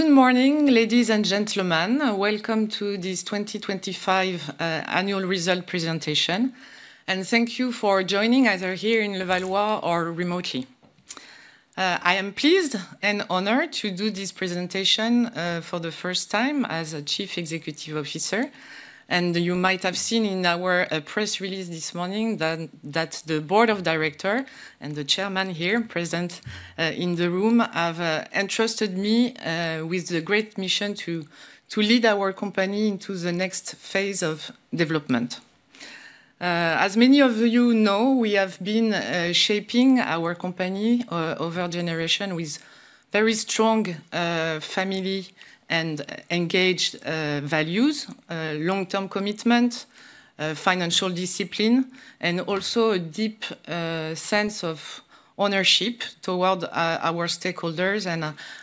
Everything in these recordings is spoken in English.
Good morning, ladies and gentlemen. Welcome to this 2025 Annual Result Presentation. Thank you for joining either here in Levallois or remotely. I am pleased and honored to do this presentation for the first time as a Chief Executive Officer. You might have seen in our press release this morning that the board of director and the chairman here present in the room have entrusted me with the great mission to lead our company into the next phase of development. As many of you know, we have been shaping our company over generation with very strong family and engaged values, long-term commitment, financial discipline, and also a deep sense of ownership toward our stakeholders.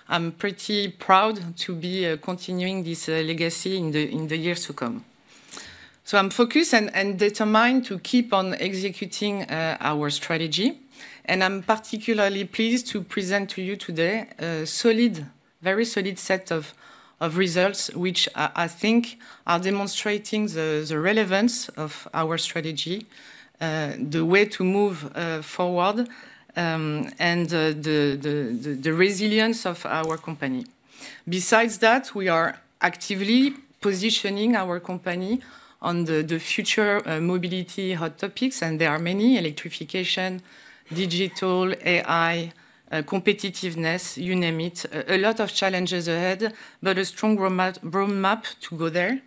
I'm pretty proud to be continuing this legacy in the years to come. I'm focused and determined to keep on executing our strategy, and I'm particularly pleased to present to you today a solid, very solid set of results, which I think are demonstrating the relevance of our strategy, the way to move forward, and the resilience of our company. Besides that, we are actively positioning our company on the future mobility hot topics, and there are many: electrification, digital, AI, competitiveness, you name it. A lot of challenges ahead, but a strong roadmap to go there.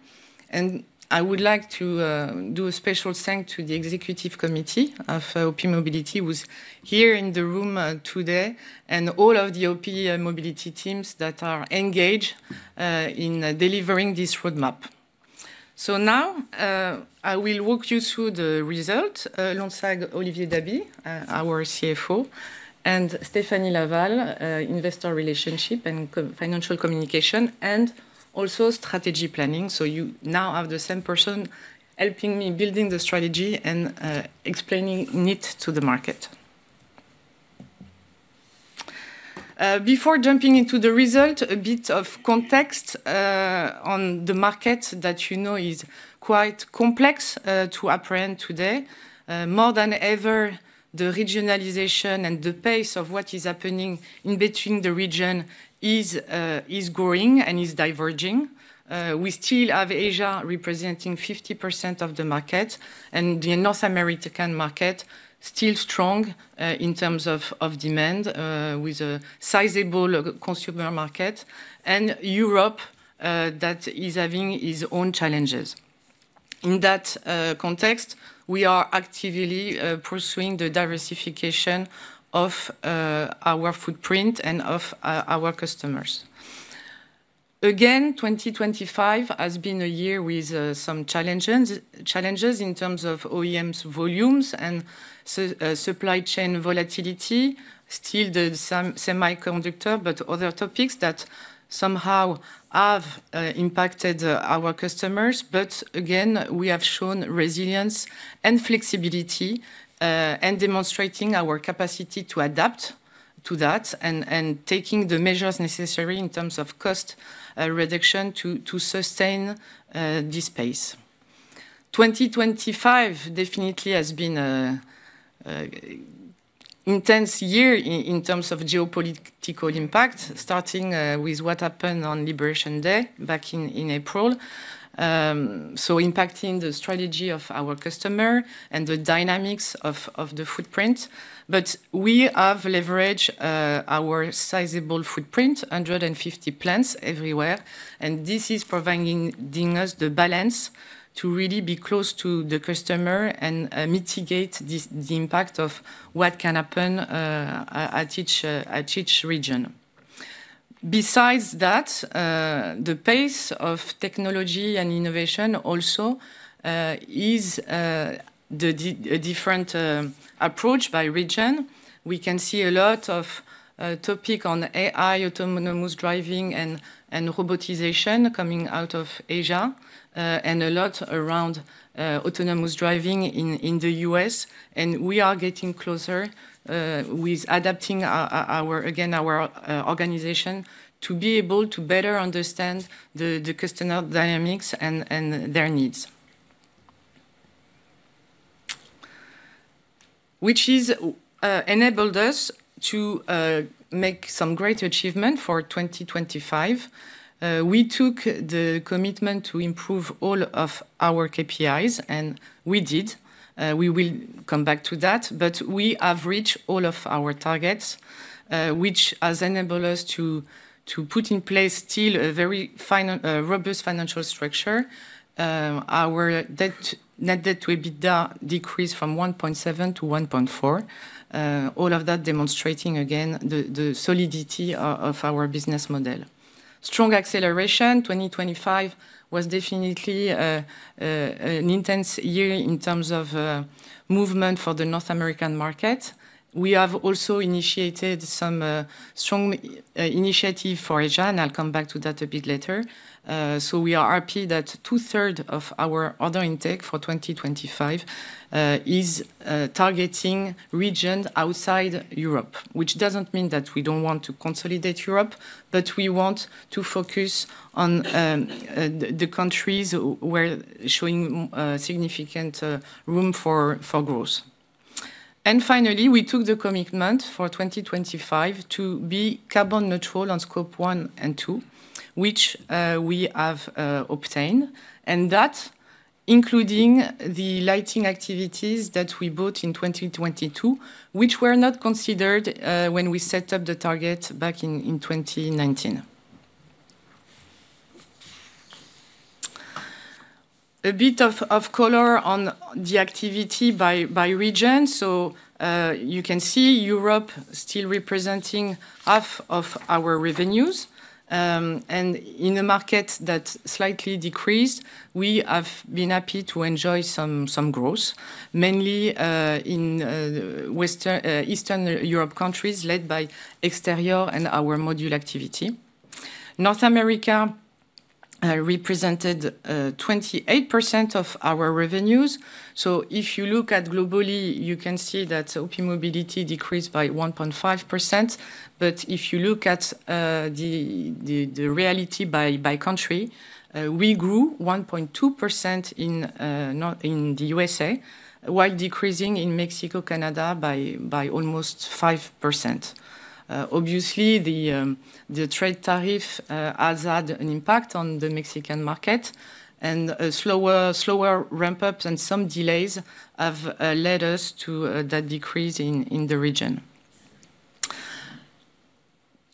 I would like to do a special thank to the executive committee of OPmobility, who's here in the room today, and all of the OPmobility teams that are engaged in delivering this roadmap. Now, I will walk you through the result alongside Olivier Dabi, our CFO, and Stéphanie Laval, Investor Relations and co- Financial Communication, and also Strategy Planning. You now have the same person helping me building the strategy and explaining it to the market. Before jumping into the result, a bit of context on the market that you know is quite complex to apprehend today. More than ever, the regionalization and the pace of what is happening in between the region is growing and is diverging. We still have Asia representing 50% of the market. The North American market still strong, in terms of demand, with a sizable consumer market, and Europe, that is having its own challenges. In that context, we are actively pursuing the diversification of our footprint and of our customers. Again, 2025 has been a year with some challenges, in terms of OEMs volumes and supply chain volatility. Still, the semiconductor, but other topics that somehow have impacted our customers. Again, we have shown resilience and flexibility, and demonstrating our capacity to adapt to that and taking the measures necessary in terms of cost reduction to sustain this pace. 2025 definitely has been a intense year in terms of geopolitical impact, starting with what happened on Liberation Day, back in April. Impacting the strategy of our customer and the dynamics of the footprint. We have leveraged our sizable footprint, 150 plants everywhere, this is providing us the balance to really be close to the customer and mitigate the impact of what can happen at each region. Besides that, the pace of technology and innovation also is a different approach by region. We can see a lot of topic on AI, autonomous driving and robotization coming out of Asia, and a lot around autonomous driving in the U.S. We are getting closer with adapting our, again, our organization to be able to better understand the customer dynamics and their needs. Which is enabled us to make some great achievement for 2025. We took the commitment to improve all of our KPIs, and we did. We will come back to that, but we have reached all of our targets, which has enabled us to put in place still a very robust financial structure. Our debt, net debt to EBITDA decreased from 1.7 to 1.4. All of that demonstrating again, the solidity of our business model. Strong acceleration. 2025 was definitely an intense year in terms of movement for the North American market. We have also initiated some strong initiative for Asia, I'll come back to that a bit later. We are happy that two-thirds of our order intake for 2025 is targeting region outside Europe. Which doesn't mean that we don't want to consolidate Europe, but we want to focus on the countries we're showing significant room for growth. Finally, we took the commitment for 2025 to be carbon neutral on Scope 1 and 2, which we have obtained. That including the lighting activities that we bought in 2022, which were not considered when we set up the target back in 2019. A bit of color on the activity by region. You can see Europe still representing half of our revenues. In a market that slightly decreased, we have been happy to enjoy some growth, mainly in Western Eastern Europe countries led by Exterior and our Modules activity. North America represented 28% of our revenues. If you look at globally, you can see that OPmobility decreased by 1.5%. If you look at the reality by country, we grew 1.2% in the USA, while decreasing in Mexico, Canada by almost 5%. Obviously, the trade tariff has had an impact on the Mexican market, and slower ramp-ups and some delays have led us to that decrease in the region.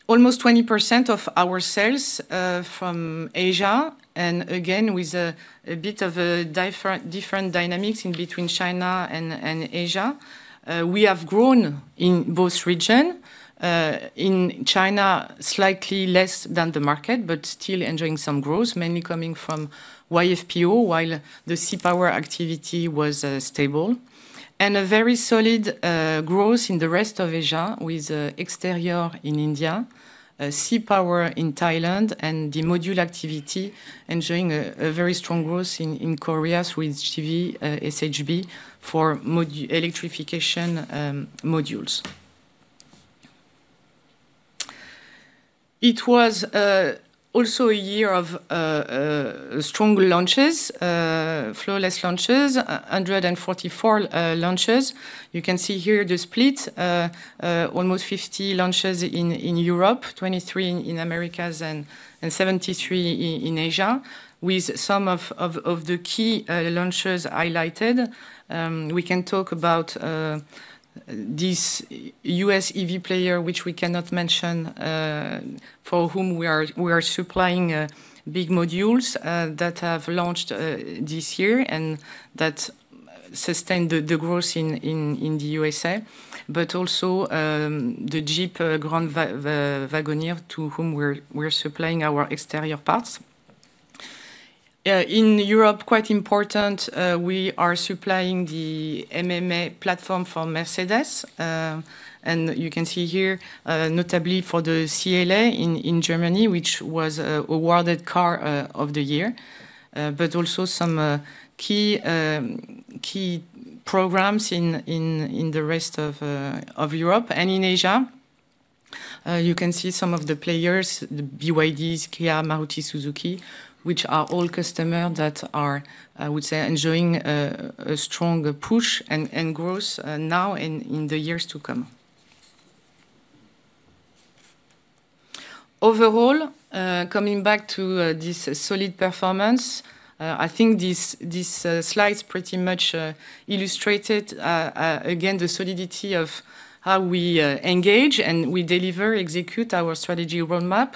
Almost 20% of our sales from Asia, again, with a bit of a different dynamics between China and Asia. We have grown in both region. In China, slightly less than the market, but still enjoying some growth, mainly coming from YFPO, while the C-Power activity was stable. A very solid growth in the rest of Asia, with exterior in India, C-Power in Thailand, and the module activity enjoying a very strong growth in Korea with JV SHB for electrification modules. It was also a year of strong launches, flawless launches, 144 launches. You can see here the split, almost 50 launches in Europe, 23 in Americas, and 73 in Asia, with some of the key launches highlighted. We can talk about this U.S. EV player, which we cannot mention, for whom we are supplying big modules that have launched this year and that sustained the growth in the U.S.A., but also the Jeep Grand Wagoneer, to whom we're supplying our exterior parts. In Europe, quite important, we are supplying the MMA platform for Mercedes-Benz, and you can see here, notably for the CLA in Germany, which was awarded Car of the Year. Also some key programs in the rest of Europe and in Asia. You can see some of the players, the BYD, Kia, Maruti Suzuki, which are all customer that are, I would say, enjoying a strong push and growth now in the years to come. Overall, coming back to this solid performance, I think this slide pretty much illustrated again, the solidity of how we engage and we deliver, execute our strategy roadmap.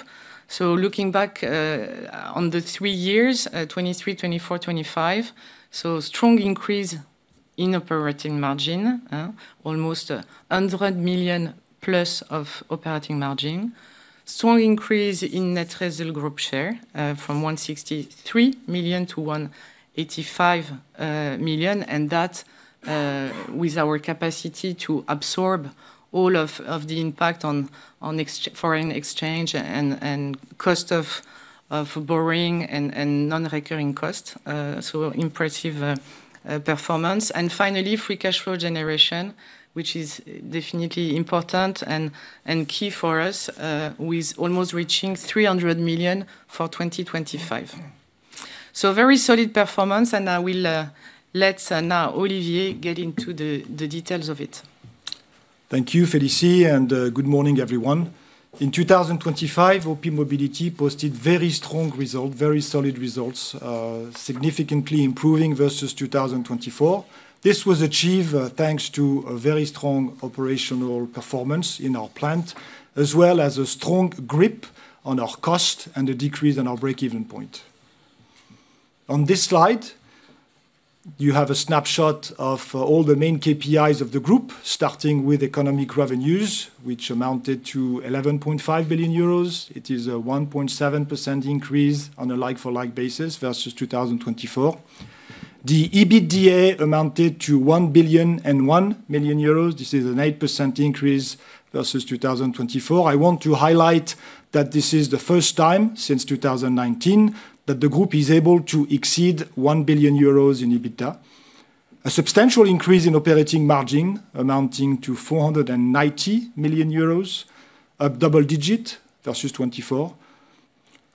Looking back on the 3 years, 2023, 2024, 2025, so strong increase in operating margin, almost 100 million plus of operating margin. Strong increase in net result group share, from 163 million to 185 million, and that with our capacity to absorb all of the impact on foreign exchange and cost of borrowing and non-recurring costs, so impressive performance. Finally, free cash flow generation, which is definitely important and key for us, with almost reaching 300 million for 2025. Very solid performance, I will let now Olivier get into the details of it. Thank you, Félicie, good morning, everyone. In 2025, OPmobility posted very solid results, significantly improving versus 2024. This was achieved thanks to a very strong operational performance in our plant, as well as a strong grip on our cost and a decrease in our break-even point. On this slide, you have a snapshot of all the main KPIs of the group, starting with economic revenues, which amounted to 11.5 billion euros. It is a 1.7% increase on a like-for-like basis versus 2024. The EBITDA amounted to 1.001 billion. This is an 8% increase versus 2024. I want to highlight that this is the first time since 2019 that the group is able to exceed 1 billion euros in EBITDA. A substantial increase in operating margin amounting to 490 million euros, a double digit versus 2024.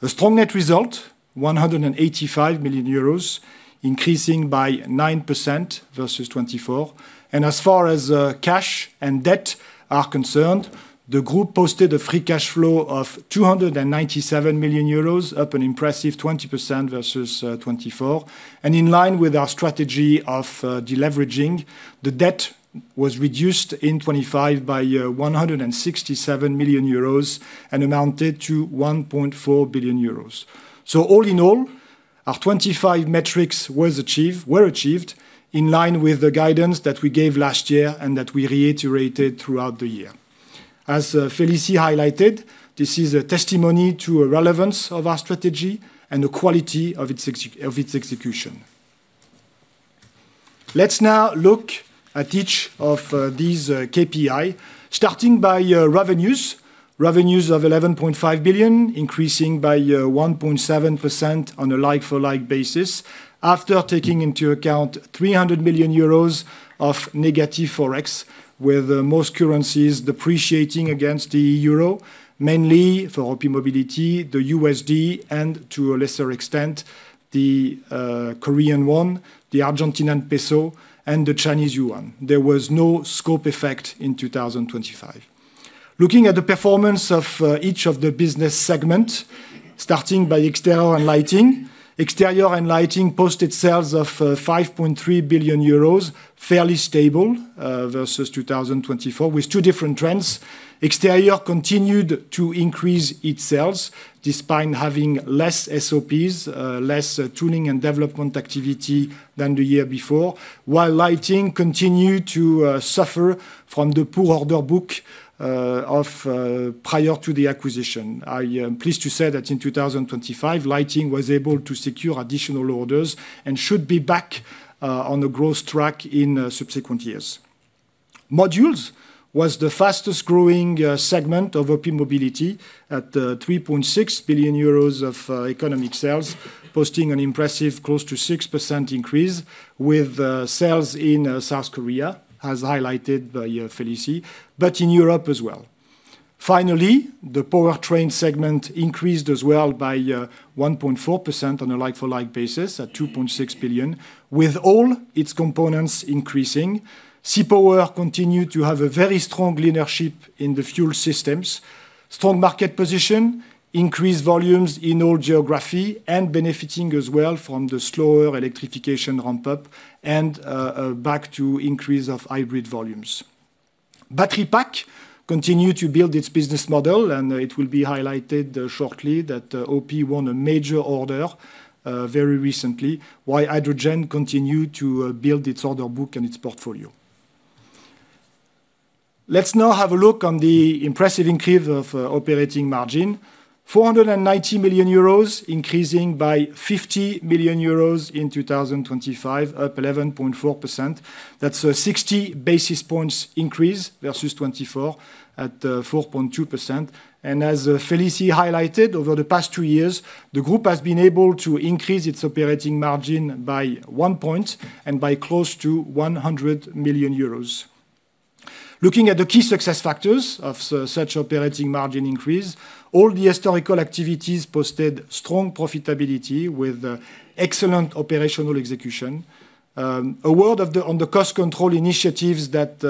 A strong net result, 185 million euros, increasing by 9% versus 2024. As far as cash and debt are concerned, the group posted a free cash flow of 297 million euros, up an impressive 20% versus 2024. In line with our strategy of deleveraging, the debt was reduced in 2025 by 167 million euros and amounted to 1.4 billion euros. All in all, our 2025 metrics were achieved in line with the guidance that we gave last year and that we reiterated throughout the year. As Félicie highlighted, this is a testimony to a relevance of our strategy and the quality of its execution. Let's now look at each of these KPI, starting by revenues. Revenues of 11.5 billion, increasing by 1.7% on a like-for-like basis, after taking into account 300 million euros of negative Forex, with most currencies depreciating against the euro, mainly for OPmobility, the USD, and to a lesser extent, the KRW, the ARS, and the CNY. There was no scope effect in 2025. Looking at the performance of each of the business segment, starting by Exterior and Lighting. Exterior and Lighting posted sales of 5.3 billion euros, fairly stable versus 2024, with two different trends. Exterior continued to increase its sales, despite having less SOPs, less tuning and development activity than the year before, while Lighting continued to suffer from the poor order book prior to the acquisition. I am pleased to say that in 2025, Lighting was able to secure additional orders and should be back on the growth track in subsequent years. Modules was the fastest growing segment of OPmobility at 3.6 billion euros of economic sales, posting an impressive close to 6% increase with sales in South Korea, as highlighted by Félicie, but in Europe as well. Finally, the Powertrain segment increased as well by 1.4% on a like-for-like basis at 2.6 billion, with all its components increasing. C-Power continued to have a very strong leadership in the fuel systems, strong market position, increased volumes in all geography, and benefiting as well from the slower electrification ramp-up and back to increase of hybrid volumes. Battery Pack continued to build its business model, and it will be highlighted shortly that OP won a major order very recently, while Hydrogen continued to build its order book and its portfolio. Let's now have a look on the impressive increase of operating margin. 490 million euros, increasing by 50 million euros in 2025, up 11.4%. That's a 60 basis points increase versus 2024 at 4.2%. As Félicie highlighted, over the past two years, the group has been able to increase its operating margin by 1 point and by close to 100 million euros. Looking at the key success factors of such operating margin increase, all the historical activities posted strong profitability with excellent operational execution. A word on the cost control initiatives that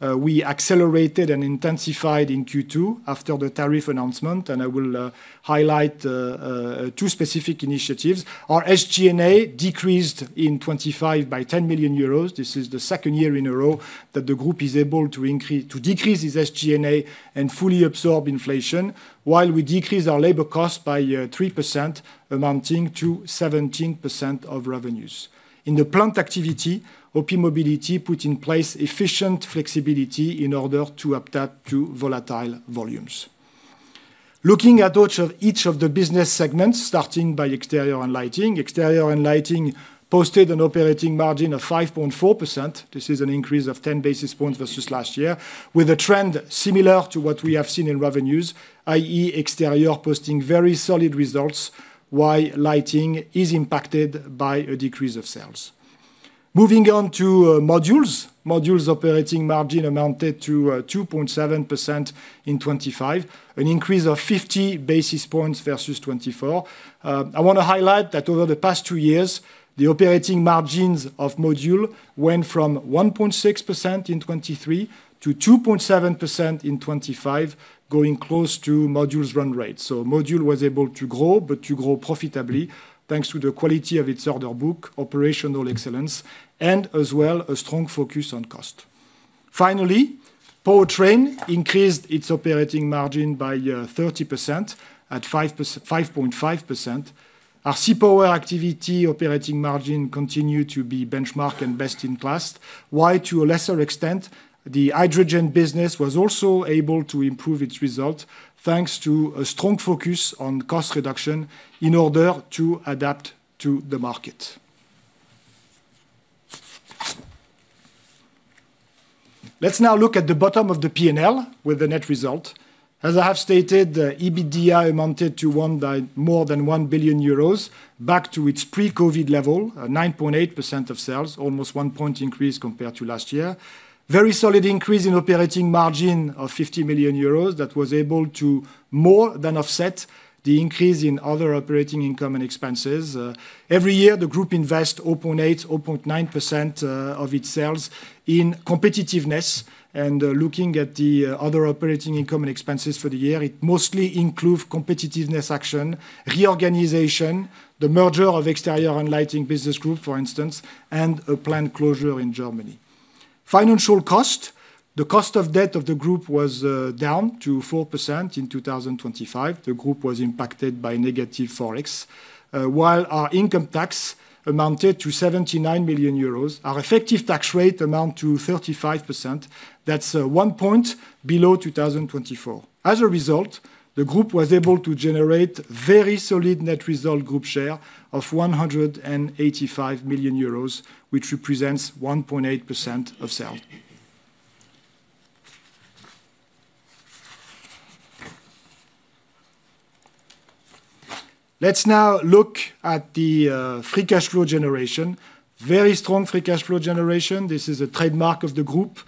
we accelerated and intensified in Q2 after the tariff announcement, and I will highlight two specific initiatives. Our SG&A decreased in 2025 by 10 million euros. This is the second year in a row that the group is able to decrease its SG&A and fully absorb inflation, while we decrease our labor cost by 3%, amounting to 17% of revenues. In the plant activity, OPmobility put in place efficient flexibility in order to adapt to volatile volumes. Looking at each of the business segments, starting by Exterior and Lighting. Exterior and Lighting posted an operating margin of 5.4%. This is an increase of 10 basis points versus last year, with a trend similar to what we have seen in revenues, i.e. Exterior posting very solid results, while Lighting is impacted by a decrease of sales. Moving on to Modules. Modules operating margin amounted to 2.7% in 2025, an increase of 50 basis points versus 2024. I want to highlight that over the past two years, the operating margins of Modules went from 1.6% in 2023 to 2.7% in 2025, going close to Modules run rate. Module was able to grow, but to grow profitably, thanks to the quality of its order book, operational excellence, and as well, a strong focus on cost. Finally, Powertrain increased its operating margin by 30% at 5.5%. Our C-Power activity operating margin continued to be benchmark and best-in-class, while to a lesser extent, the Hydrogen business was also able to improve its result, thanks to a strong focus on cost reduction in order to adapt to the market. Let's now look at the bottom of the P&L with the net result. As I have stated, the EBITDA amounted to more than 1 billion euros, back to its pre-COVID level, 9.8% of sales, almost 1 point increase compared to last year. Very solid increase in operating margin of 50 million euros that was able to more than offset the increase in other operating income and expenses. Every year, the group invest open eight, open nine % of its sales in competitiveness. Looking at the other operating income and expenses for the year, it mostly includes competitiveness action, reorganization, the merger of Exterior and Lighting Business Group, for instance, and a plant closure in Germany. Financial cost. The cost of debt of the group was down to 4% in 2025. The group was impacted by negative Forex. Our income tax amounted to 79 million euros, our effective tax rate amount to 35%. That's 1 point below 2024. The group was able to generate very solid net result group share of 185 million euros, which represents 1.8% of sales. Let's now look at the free cash flow generation. Very strong free cash flow generation. This is a trademark of the group.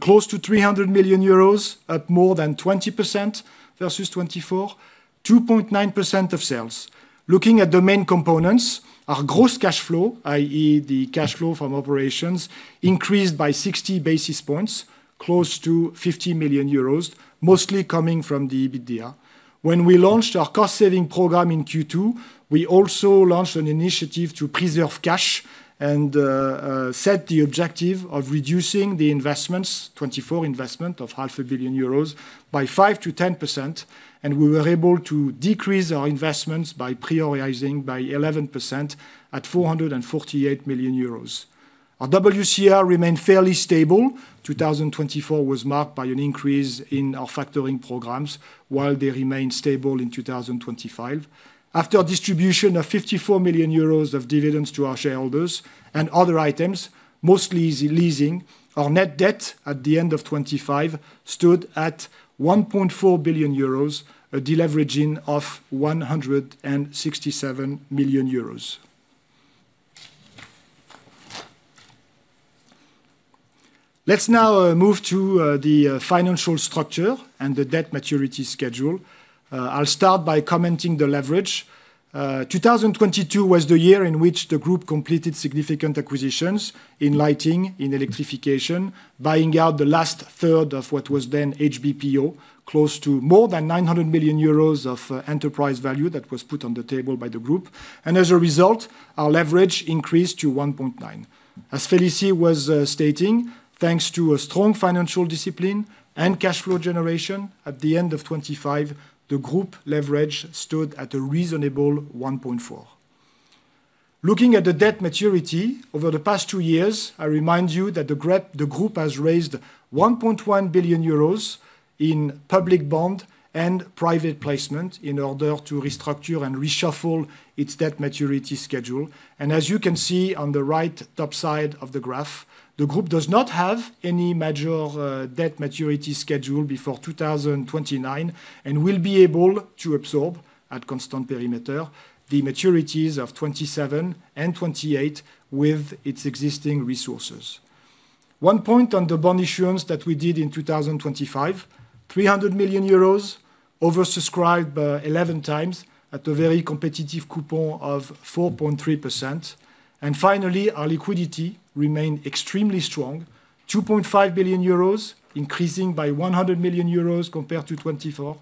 Close to 300 million euros at more than 20% versus 24, 2.9% of sales. Looking at the main components, our gross cash flow, i.e., the cash flow from operations, increased by 60 basis points, close to 50 million euros, mostly coming from the EBITDA. When we launched our cost-saving program in Q2, we also launched an initiative to preserve cash and set the objective of reducing the investments, 2024 investment of half a billion EUR, by 5%-10%, and we were able to decrease our investments by prioritizing by 11% at 448 million euros. Our WCR remained fairly stable. 2024 was marked by an increase in our factoring programs, while they remained stable in 2025. After distribution of 54 million euros of dividends to our shareholders and other items, mostly is leasing, our net debt at the end of 2025 stood at 1.4 billion euros, a deleveraging of 167 million euros. Let's now move to the financial structure and the debt maturity schedule. I'll start by commenting the leverage. Two thousand and twenty-two was the year in which the group completed significant acquisitions in lighting, in electrification, buying out the last third of what was then HBPO, close to more than 900 million euros of enterprise value that was put on the table by the group. As a result, our leverage increased to 1.9. As Félicie was stating, thanks to a strong financial discipline and cash flow generation, at the end of 2025, the group leverage stood at a reasonable 1.4. Looking at the debt maturity over the past 2 years, I remind you that the group has raised 1.1 billion euros in public bond and private placement in order to restructure and reshuffle its debt maturity schedule. As you can see on the right top side of the graph, the group does not have any major debt maturity schedule before 2029 and will be able to absorb, at constant perimeter, the maturities of 2027 and 2028 with its existing resources. One point on the bond issuance that we did in 2025, 300 million euros oversubscribed by 11 times at a very competitive coupon of 4.3%. Finally, our liquidity remained extremely strong: 2.5 billion euros, increasing by 100 million euros compared to 2024,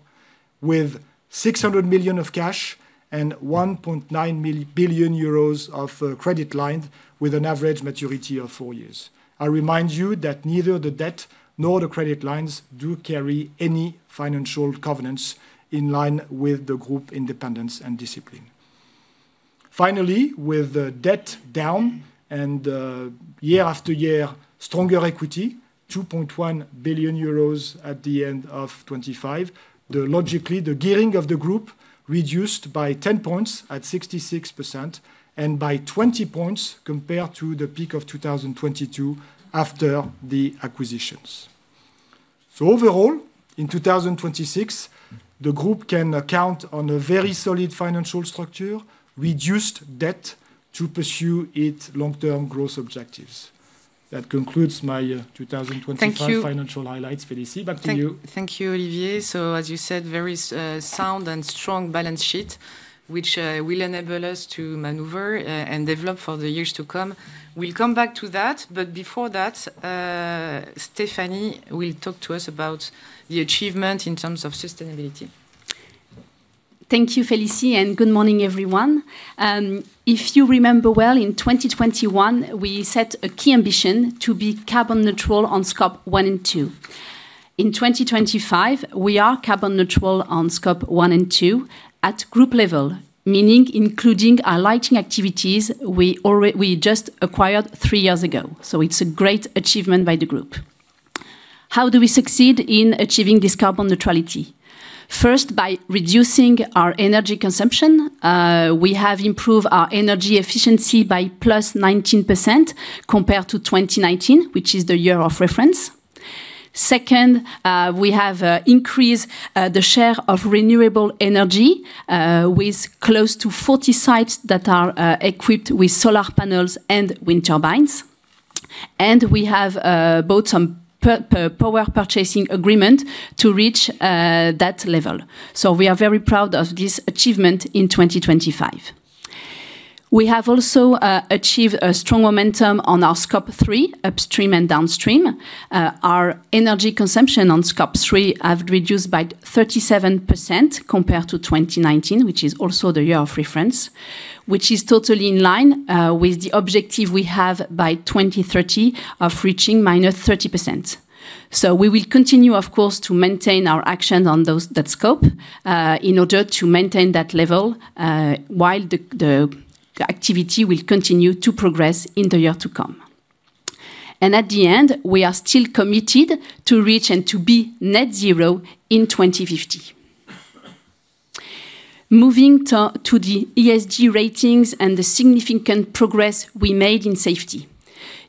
with 600 million of cash and 1.9 billion euros of credit line, with an average maturity of 4 years. I remind you that neither the debt nor the credit lines do carry any financial covenants in line with the group independence and discipline. Finally, with the debt down year after year, stronger equity, 2.1 billion euros at the end of 2025, logically, the gearing of the group reduced by 10 points at 66% and by 20 points compared to the peak of 2022 after the acquisitions. Overall, in 2026, the group can account on a very solid financial structure, reduced debt to pursue its long-term growth objectives. That concludes my 2025. Thank you. Financial highlights. Félicie, back to you. Thank you, Olivier. As you said, very sound and strong balance sheet, which will enable us to maneuver and develop for the years to come. We'll come back to that, but before that, Stéphanie will talk to us about the achievement in terms of sustainability. Thank you, Félicie, good morning, everyone. If you remember well, in 2021, we set a key ambition to be carbon neutral on Scope 1 and 2. In 2025, we are carbon neutral on Scope 1 and 2 at group level, meaning including our lighting activities, we just acquired three years ago. It's a great achievement by the group. How do we succeed in achieving this carbon neutrality? First, by reducing our energy consumption. We have improved our energy efficiency by +19% compared to 2019, which is the year of reference. Second, we have increased the share of renewable energy with close to 40 sites that are equipped with solar panels and wind turbines. We have bought some power purchasing agreement to reach that level. We are very proud of this achievement in 2025. We have also achieved a strong momentum on our Scope 3, upstream and downstream. Our energy consumption on Scope 3 have reduced by 37% compared to 2019, which is also the year of reference. Which is totally in line with the objective we have by 2030 of reaching -30%. We will continue, of course, to maintain our action on that scope in order to maintain that level while the activity will continue to progress in the year to come. At the end, we are still committed to reach and to be net zero in 2050. Moving to the ESG ratings and the significant progress we made in safety.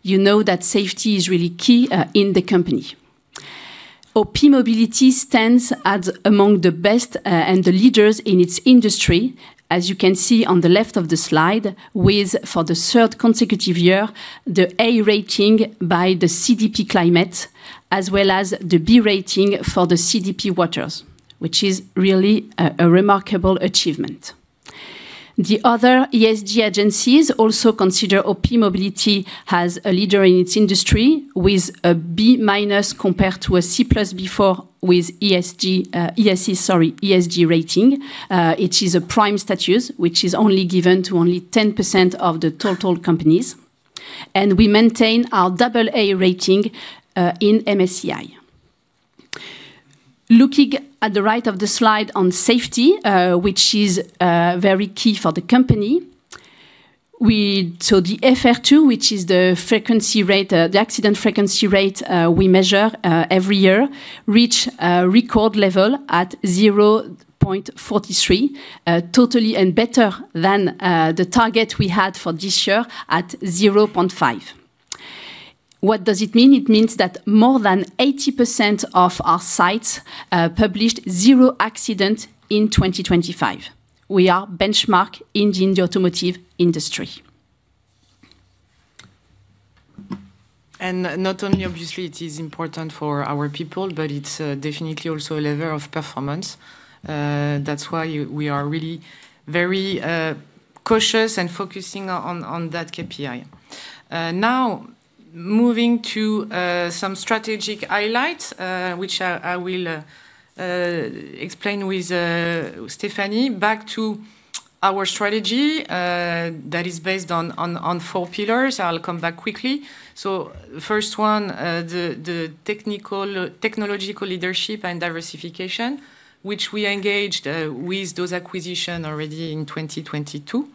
You know that safety is really key in the company. OPmobility stands as among the best and the leaders in its industry, as you can see on the left of the slide, with, for the third consecutive year, the A rating by the CDP Climate, as well as the B rating for the CDP Waters, which is really a remarkable achievement. The other ESG agencies also consider OPmobility as a leader in its industry, with a B minus compared to a C plus before with ESG, ESE, sorry, ESG rating. It is a prime status, which is only given to only 10% of the total companies. We maintain our double A rating in MSCI. Looking at the right of the slide on safety, which is very key for the company, we... The FR2, which is the frequency rate, the accident frequency rate, we measure every year, reach a record level at 0.43. Totally and better than the target we had for this year at 0.5. What does it mean? It means that more than 80% of our sites published zero accident in 2025. We are benchmark in the automotive industry. Not only obviously it is important for our people, but it's definitely also a level of performance. That's why we are really very cautious and focusing on that KPI. Now, moving to some strategic highlights, which I will explain with Stéphanie. Back to our strategy that is based on four pillars. I'll come back quickly. The first one, the technical, technological leadership and diversification, which we engaged with those acquisition already in 2022.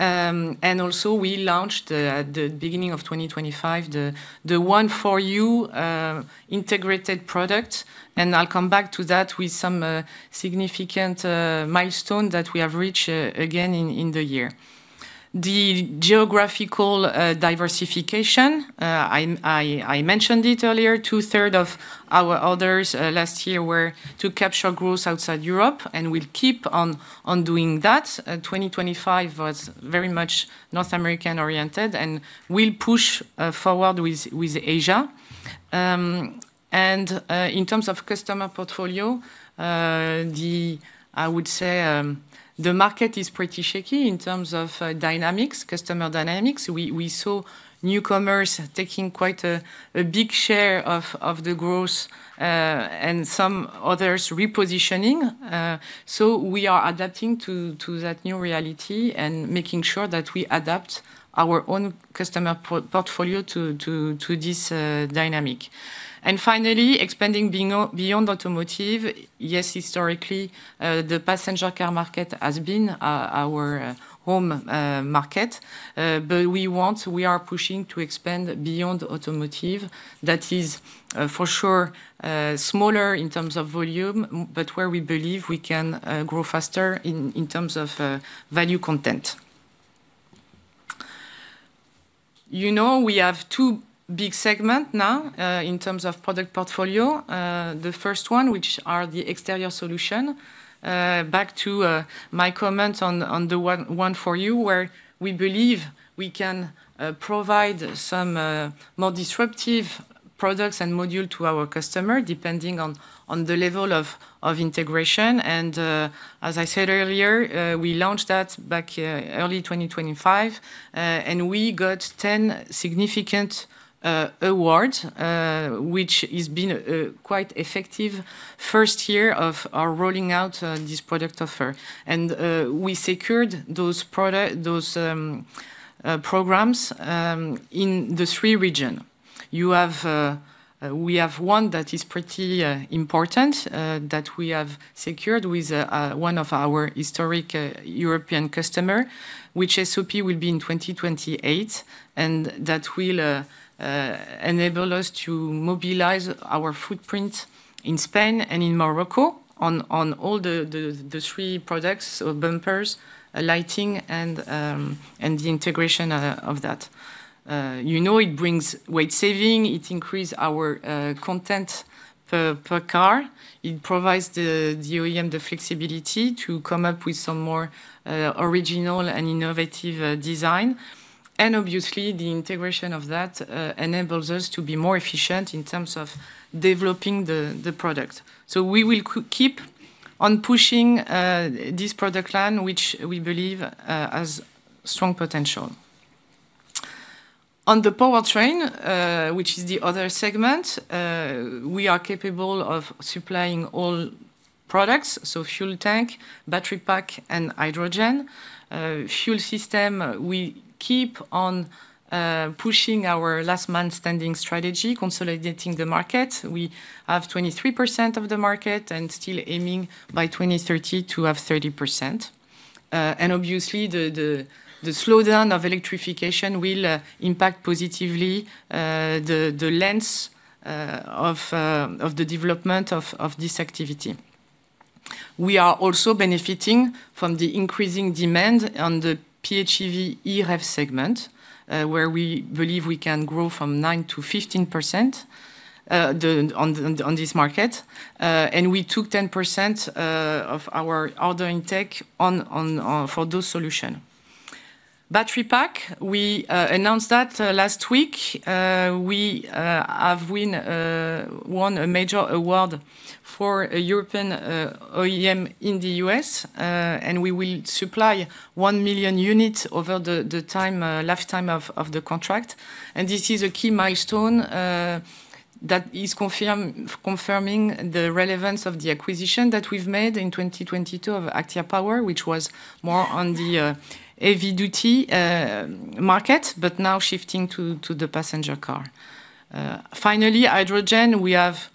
And also we launched at the beginning of 2025, the One for You integrated product, and I'll come back to that with some significant milestone that we have reached again in the year. The geographical diversification, I mentioned it earlier, 2/3 of our orders last year were to capture growth outside Europe, and we'll keep on doing that. 2025 was very much North American-oriented and will push forward with Asia. In terms of customer portfolio, I would say the market is pretty shaky in terms of dynamics, customer dynamics. We saw newcomers taking quite a big share of the growth and some others repositioning. We are adapting to that new reality and making sure that we adapt our own customer portfolio to this dynamic. Finally, expanding beyond automotive. Yes, historically, the passenger car market has been our home market, but we want, we are pushing to expand beyond automotive. That is, for sure, smaller in terms of volume, but where we believe we can grow faster in terms of value content. You know, we have two big segment now in terms of product portfolio. The first one, which are the exterior solution. Back to my comment on the One for You, where we believe we can provide some more disruptive products and module to our customer, depending on the level of integration. As I said earlier, we launched that back early 2025, and we got 10 significant awards, which is been quite effective first year of our rolling out this product offer. We secured those programs in the 3 region. You have, we have one that is pretty important, that we have secured with one of our historic European customer, which SOP will be in 2028, and that will enable us to mobilize our footprint in Spain and in Morocco on all the three products: so bumpers, lighting, and the integration of that. You know, it brings weight saving, it increase our content per car. It provides the OEM the flexibility to come up with some more original and innovative design. Obviously, the integration of that enables us to be more efficient in terms of developing the product. We will keep on pushing, this product line, which we believe has strong potential. On the Powertrain, which is the other segment, we are capable of supplying all products, so fuel tank, Battery Pack, and Hydrogen. Fuel system, we keep on pushing our last man standing strategy, consolidating the market. We have 23% of the market and still aiming by 2030 to have 30%. Obviously, the slowdown of electrification will impact positively the length of the development of this activity. We are also benefiting from the increasing demand on the PHEV EREV segment, where we believe we can grow from 9% to 15% on this market. We took 10% of our order intake on for those solution. Battery Pack, we announced that last week. We won a major award for a European OEM in the U.S. We will supply 1 million units over the lifetime of the contract. This is a key milestone that is confirming the relevance of the acquisition that we've made in 2022 of ACTIA Power, which was more on the heavy-duty market, but now shifting to the passenger car. Finally, Hydrogen, we have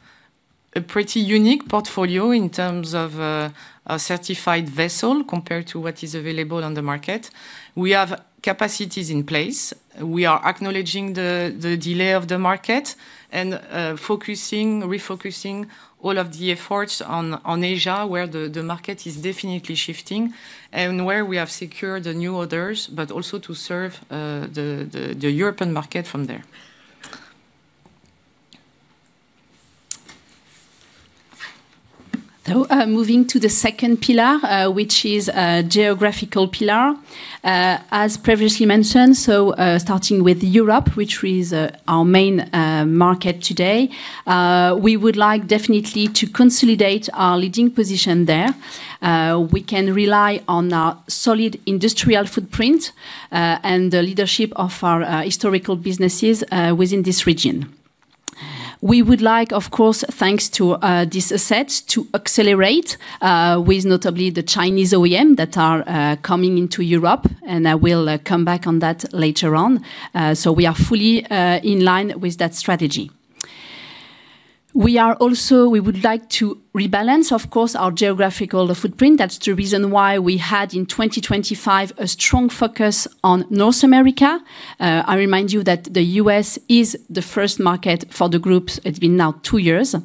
a pretty unique portfolio in terms of a certified vessel compared to what is available on the market. We have capacities in place. We are acknowledging the delay of the market and focusing, refocusing all of the efforts on Asia, where the market is definitely shifting, and where we have secured the new orders, but also to serve the European market from there. Moving to the second pillar, which is a geographical pillar. As previously mentioned, starting with Europe, which is our main market today, we would like definitely to consolidate our leading position there. We can rely on our solid industrial footprint and the leadership of our historical businesses within this region. We would like, of course, thanks to this asset, to accelerate with notably the Chinese OEM that are coming into Europe, and I will come back on that later on. We are fully in line with that strategy. We would like to rebalance, of course, our geographical footprint. That's the reason why we had, in 2025, a strong focus on North America. I remind you that the U.S. is the first market for the groups. It's been now 2 years.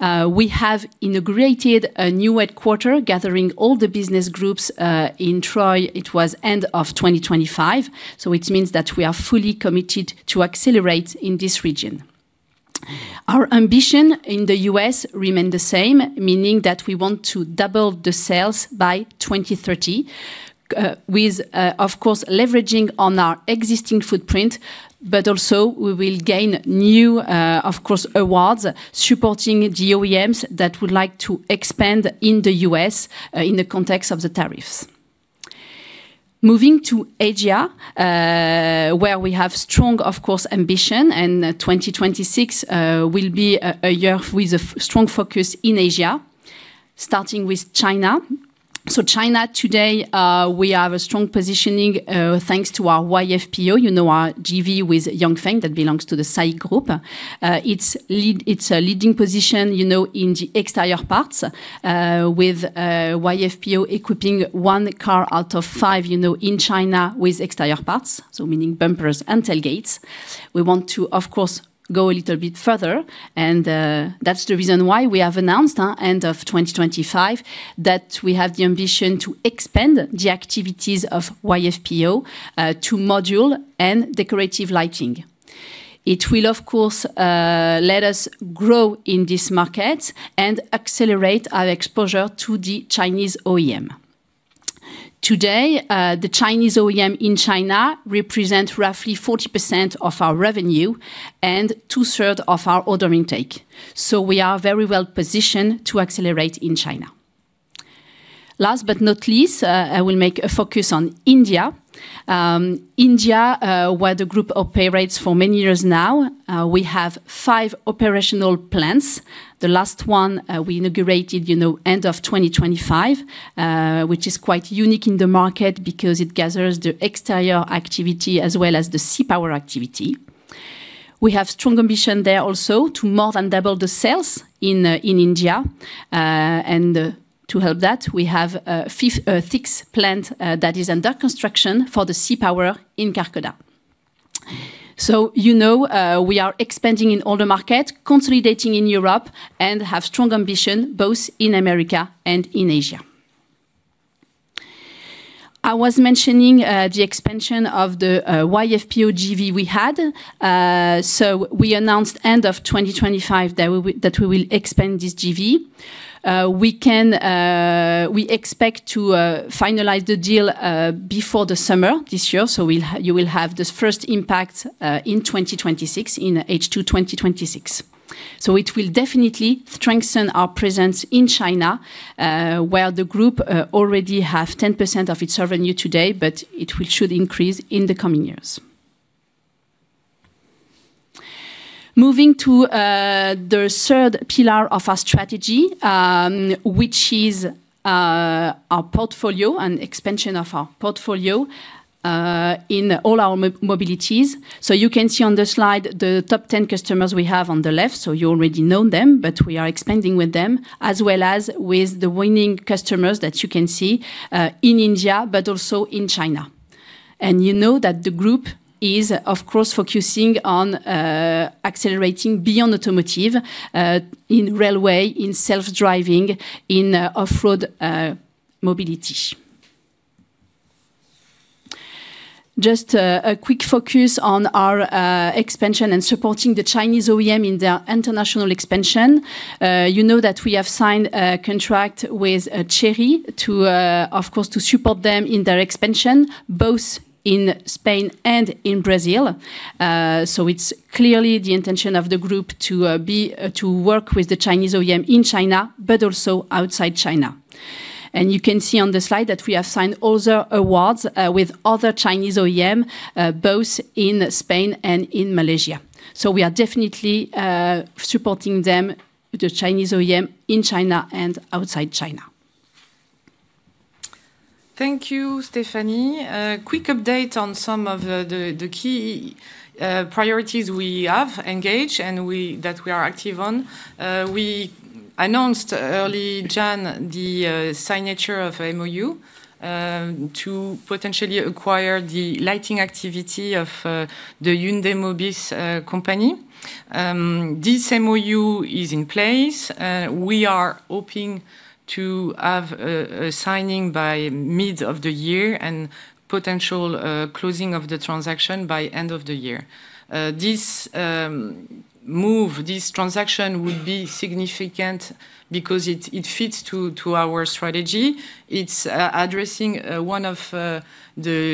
We have integrated a new headquarter, gathering all the Business Groups in Troy. It was end of 2025, it means that we are fully committed to accelerate in this region. Our ambition in the U.S. remain the same, meaning that we want to double the sales by 2030, with, of course, leveraging on our existing footprint, but also we will gain new, of course, awards supporting the OEMs that would like to expand in the U.S. in the context of the tariffs. Moving to Asia, where we have strong, of course, ambition, 2026 will be a year with a strong focus in Asia, starting with China. China, today, we have a strong positioning, thanks to our YFPO, you know, our JV with Yanfeng, that belongs to the SAIC group. It's a leading position, you know, in the exterior parts, with YFPO equipping one car out of five, you know, in China with exterior parts, so meaning bumpers and tailgates. We want to, of course, go a little bit further, that's the reason why we have announced end of 2025 that we have the ambition to expand the activities of YFPO to Modules and decorative lighting. It will, of course, let us grow in this market and accelerate our exposure to the Chinese OEM. Today, the Chinese OEM in China represent roughly 40% of our revenue and 2/3 of our order intake. We are very well positioned to accelerate in China. Last but not least, I will make a focus on India. India, where the group operates for many years now, we have 5 operational plans. The last one, we inaugurated, you know, end of 2025, which is quite unique in the market because it gathers the exterior activity as well as the C-Power activity. We have strong ambition there also to more than double the sales in India. To help that, we have 6 plant that is under construction for the C-Power in Karkala. You know, we are expanding in all the market, consolidating in Europe, and have strong ambition both in America and in Asia. I was mentioning the expansion of the YFPO JV we had. We announced end of 2025 that we will expand this JV. We expect to finalize the deal before the summer this year, so you will have this first impact in 2026, in H2 2026. It will definitely strengthen our presence in China, where the group already have 10% of its revenue today, but it will should increase in the coming years. Moving to the third pillar of our strategy, which is our portfolio and expansion of our portfolio in all our mobilities. You can see on the slide the top 10 customers we have on the left, you already know them, but we are expanding with them, as well as with the winning customers that you can see in India, but also in China. You know that the group is, of course, focusing on accelerating beyond automotive in railway, in self-driving, in off-road mobility. Just a quick focus on our expansion and supporting the Chinese OEM in their international expansion. You know that we have signed a contract with Chery to, of course, to support them in their expansion, both in Spain and in Brazil. It's clearly the intention of the group to be to work with the Chinese OEM in China, but also outside China. You can see on the slide that we have signed other awards with other Chinese OEM, both in Spain and in Malaysia. We are definitely supporting them, the Chinese OEM, in China and outside China. Thank you, Stéphanie. A quick update on some of the key priorities we have engaged, that we are active on. We announced early January the signature of MoU to potentially acquire the lighting activity of the Hyundai Mobis company. This MoU is in place. We are hoping to have a signing by mid of the year and potential closing of the transaction by end of the year. This transaction will be significant because it fits to our strategy. It's addressing one of the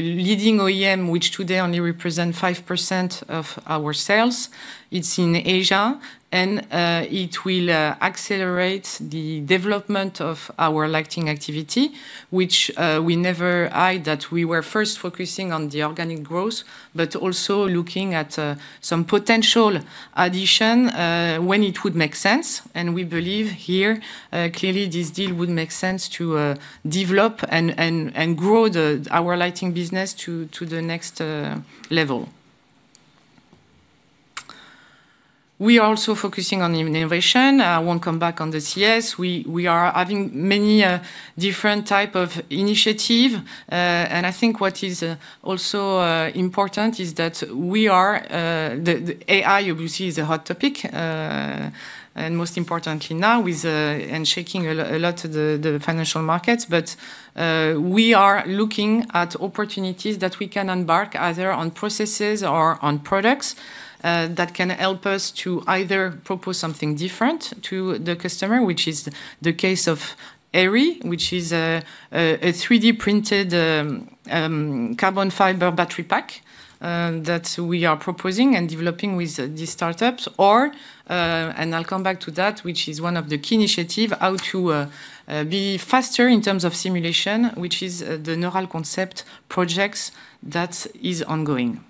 leading OEM, which today only represent 5% of our sales. It's in Asia, and it will accelerate the development of our lighting activity, which we never hide, that we were first focusing on the organic growth, but also looking at some potential addition when it would make sense. We believe here clearly, this deal would make sense to develop and grow our lighting business to the next level. We are also focusing on innovation. I won't come back on this. Yes, we are having many different type of initiative, and I think what is also important is that we are the AI, obviously, is a hot topic, and most importantly now, with and shaking a lot of the financial markets. We are looking at opportunities that we can embark, either on processes or on products, that can help us to either propose something different to the customer, which is the case of ARI, which is a 3D printed carbon fiber Battery Pack, that we are proposing and developing with these startups. And I'll come back to that, which is one of the key initiative, how to be faster in terms of simulation, which is the Neural Concept projects that is ongoing.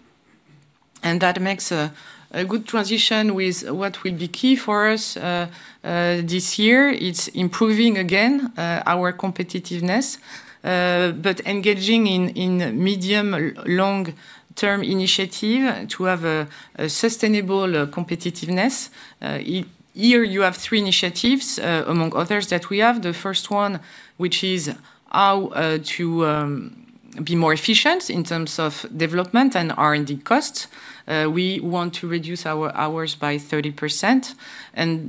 That makes a good transition with what will be key for us this year. It's improving again our competitiveness, but engaging in medium, long term initiative to have a sustainable competitiveness. Here you have 3 initiatives among others that we have. The first one, which is how to be more efficient in terms of development and R&D costs. We want to reduce our hours by 30%,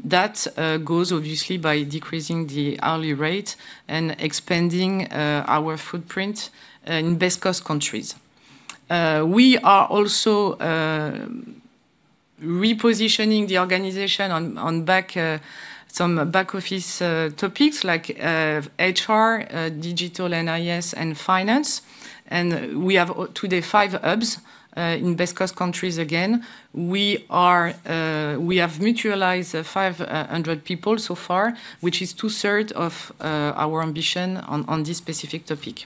that goes obviously by decreasing the hourly rate and expanding our footprint in base cost countries. We are also repositioning the organization on some back office topics like HR, digital NIS, and finance. We have today 5 hubs in base cost countries again. We are, we have mutualized 500 people so far, which is two third of our ambition on this specific topic.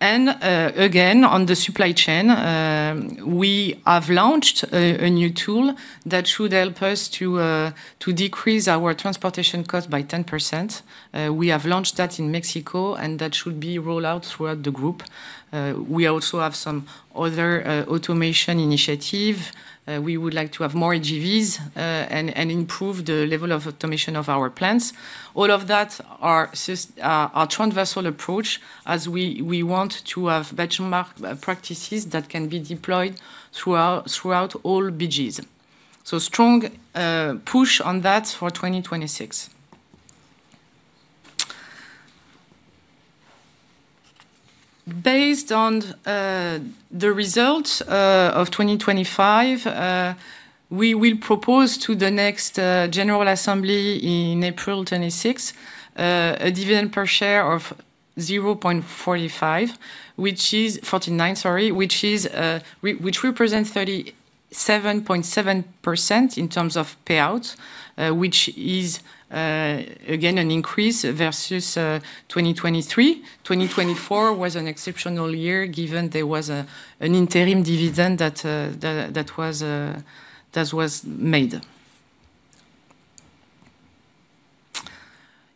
Again, on the supply chain, we have launched a new tool that should help us to decrease our transportation cost by 10%. We have launched that in Mexico, that should be rolled out throughout the group. We also have some other automation initiative. We would like to have more AGVs and improve the level of automation of our plants. All of that are our transversal approach, as we want to have benchmark practices that can be deployed throughout all BGs. Strong push on that for 2026. Based on the results of 2025, we will propose to the next general assembly in April 2026, a dividend per share of 0.45, which is 0.49, sorry, which represents 37.7% in terms of payout, which is again an increase versus 2023. 2024 was an exceptional year, given there was an interim dividend that was made.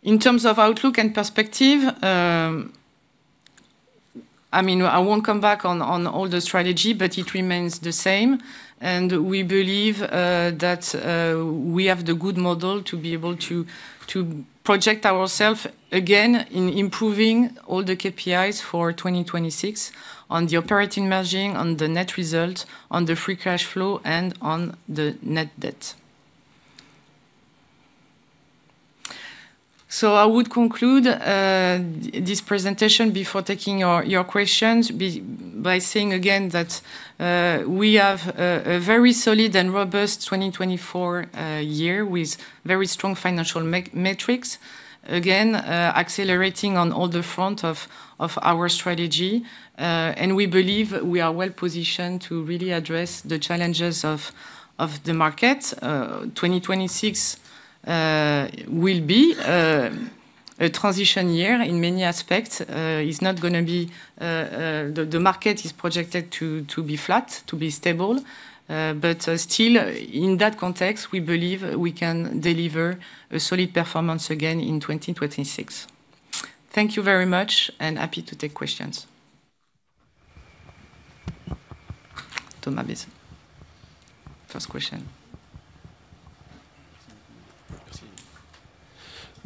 In terms of outlook and perspective, I mean, I won't come back on all the strategy, but it remains the same. We believe that we have the good model to be able to project ourself again in improving all the KPIs for 2026 on the operating margin, on the net result, on the free cash flow, and on the net debt. I would conclude this presentation before taking your questions by saying again that we have a very solid and robust 2024 year, with very strong financial metrics, again, accelerating on all the front of our strategy. We believe we are well positioned to really address the challenges of the market. 2026 will be a transition year in many aspects. The market is projected to be flat, to be stable. Still, in that context, we believe we can deliver a solid performance again in 2026. Thank you very much. Happy to take questions. Thomas, first question.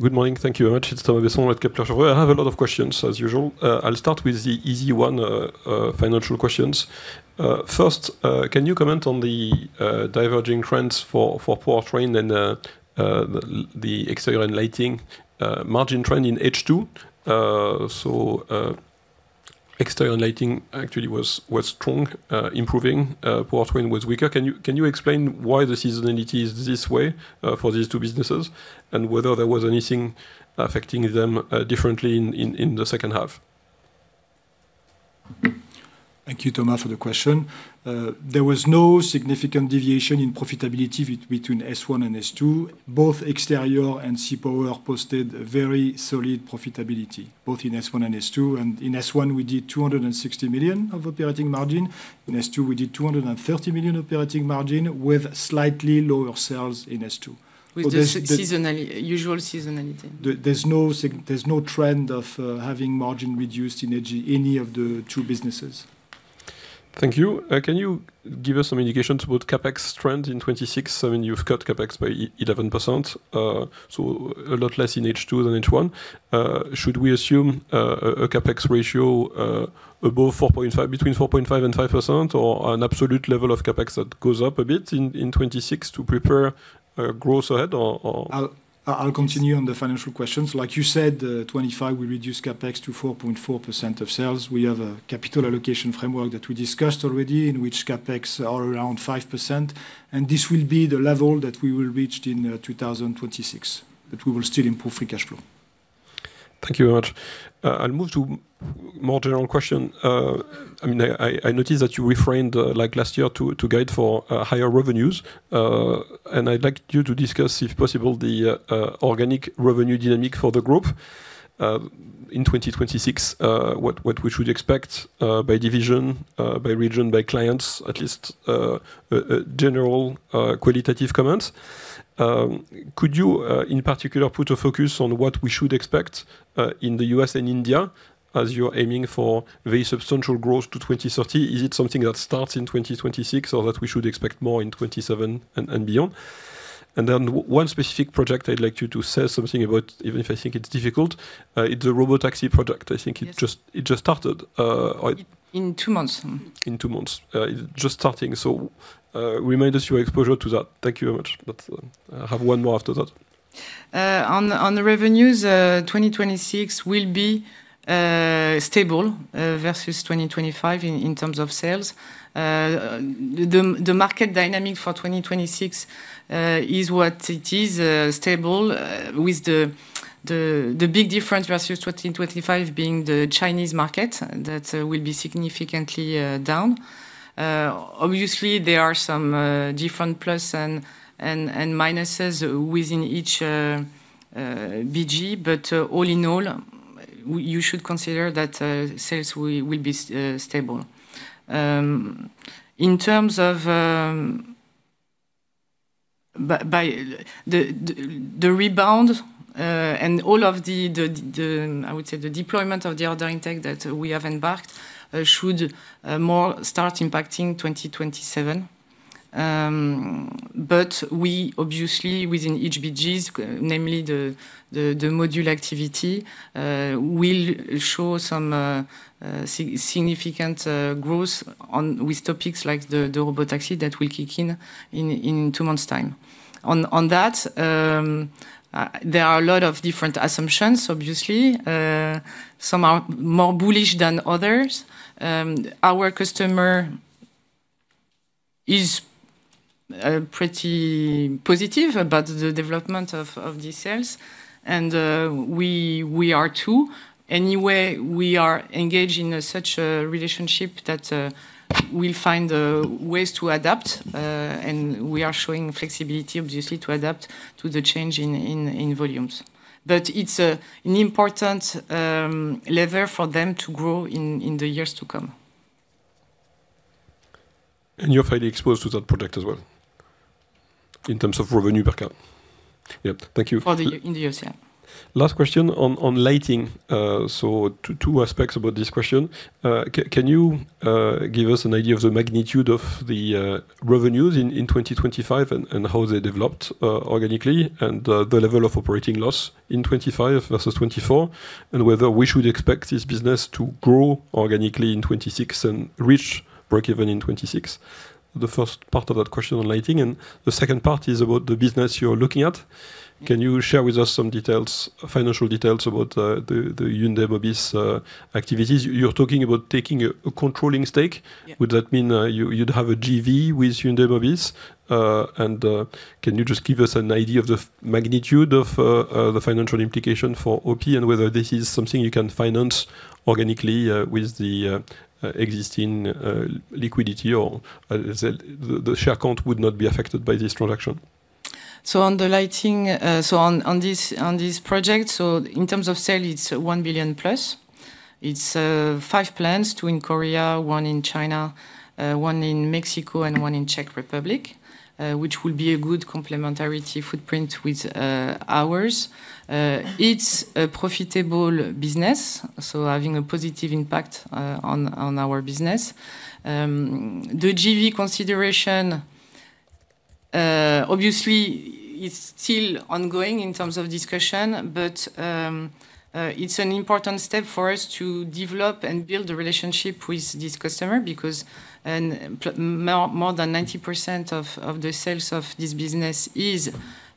Good morning. Thank you very much. It's Thomas at Kepler Cheuvreux. I have a lot of questions, as usual. I'll start with the easy one, financial questions. First, can you comment on the diverging trends for Powertrain and the Exterior and Lighting margin trend in H2? So, Exterior and Lighting actually was strong, improving. Powertrain was weaker. Can you explain why the seasonality is this way for these two businesses? Whether there was anything affecting them differently in the second half? Thank you, Thomas, for the question. There was no significant deviation in profitability between S1 and S2. Both Exterior and C-Power posted very solid profitability, both in S1 and S2. In S1, we did 260 million of operating margin. In S2, we did 230 million operating margin, with slightly lower sales in S2. With the seasonality, usual seasonality. There, there's no there's no trend of having margin reduced in any of the two businesses. Thank you. Can you give us some indications about CapEx trend in 2026? I mean, you've cut CapEx by 11%, so a lot less in H2 than H1. Should we assume a CapEx ratio above 4.5%, between 4.5% and 5%, or an absolute level of CapEx that goes up a bit in 2026 to prepare growth ahead, or? I'll continue on the financial questions. Like you said, 25, we reduced CapEx to 4.4% of sales. We have a capital allocation framework that we discussed already, in which CapEx are around 5%. This will be the level that we will reach in 2026. We will still improve free cash flow. Thank you very much. I'll move to more general question. I mean, I notice that you reframed, like last year, to guide for higher revenues. I'd like you to discuss, if possible, the organic revenue dynamic for the group, in 2026. What, what we should expect, by division, by region, by clients, at least, general, qualitative comments. Could you, in particular, put a focus on what we should expect, in the U.S. and India, as you're aiming for very substantial growth to 2030? Is it something that starts in 2026, or that we should expect more in 2027 and beyond? One specific project I'd like you to say something about, even if I think it's difficult, it's the robotaxi project. Yes. I think it just started. In 2 months. In two months. Just starting so, remind us your exposure to that. Thank you very much. I have one more after that. On the revenues, 2026 will be stable versus 2025 in terms of sales. The market dynamic for 2026 is what it is, stable, with the big difference versus 2025 being the Chinese market, that will be significantly down. Obviously, there are some different plus and minuses within each BG, but all in all, you should consider that sales will be stable. In terms of the rebound, and all of the, I would say, the deployment of the order intake that we have embarked, should more start impacting 2027. We obviously, within HBPO, namely the module activity, will show significant growth with topics like the robotaxi that will kick in in 2 months' time. On that, there are a lot of different assumptions, obviously. Some are more bullish than others. Our customer is pretty positive about the development of the sales, and we are too. Anyway, we are engaged in such a relationship that we'll find ways to adapt, and we are showing flexibility, obviously, to adapt to the change in volumes. It's an important lever for them to grow in the years to come. You're fairly exposed to that product as well, in terms of revenue per cap? Yep. Thank you. In the USA. Last question on lighting. Two aspects about this question. Can you give us an idea of the magnitude of the revenues in 2025 and how they developed organically, and the level of operating loss in 25 versus 24, and whether we should expect this business to grow organically in 26 and reach breakeven in 26? The first part of that question on lighting. The second part is about the business you're looking at. Can you share with us some details, financial details about the Hyundai Mobis activities? You're talking about taking a controlling stake. Yeah. Would that mean, you'd have a JV with Hyundai Mobis? Can you just give us an idea of the magnitude of the financial implication for OP and whether this is something you can finance organically with the existing liquidity, or is it the share count would not be affected by this transaction? On the lighting, on this project, in terms of sale, it's 1 billion plus. It's five plants, two in Korea, one in China, one in Mexico, and one in Czech Republic, which will be a good complementarity footprint with ours. It's a profitable business, so having a positive impact on our business. The JV consideration obviously is still ongoing in terms of discussion. It's an important step for us to develop and build a relationship with this customer, because and more than 90% of the sales of this business is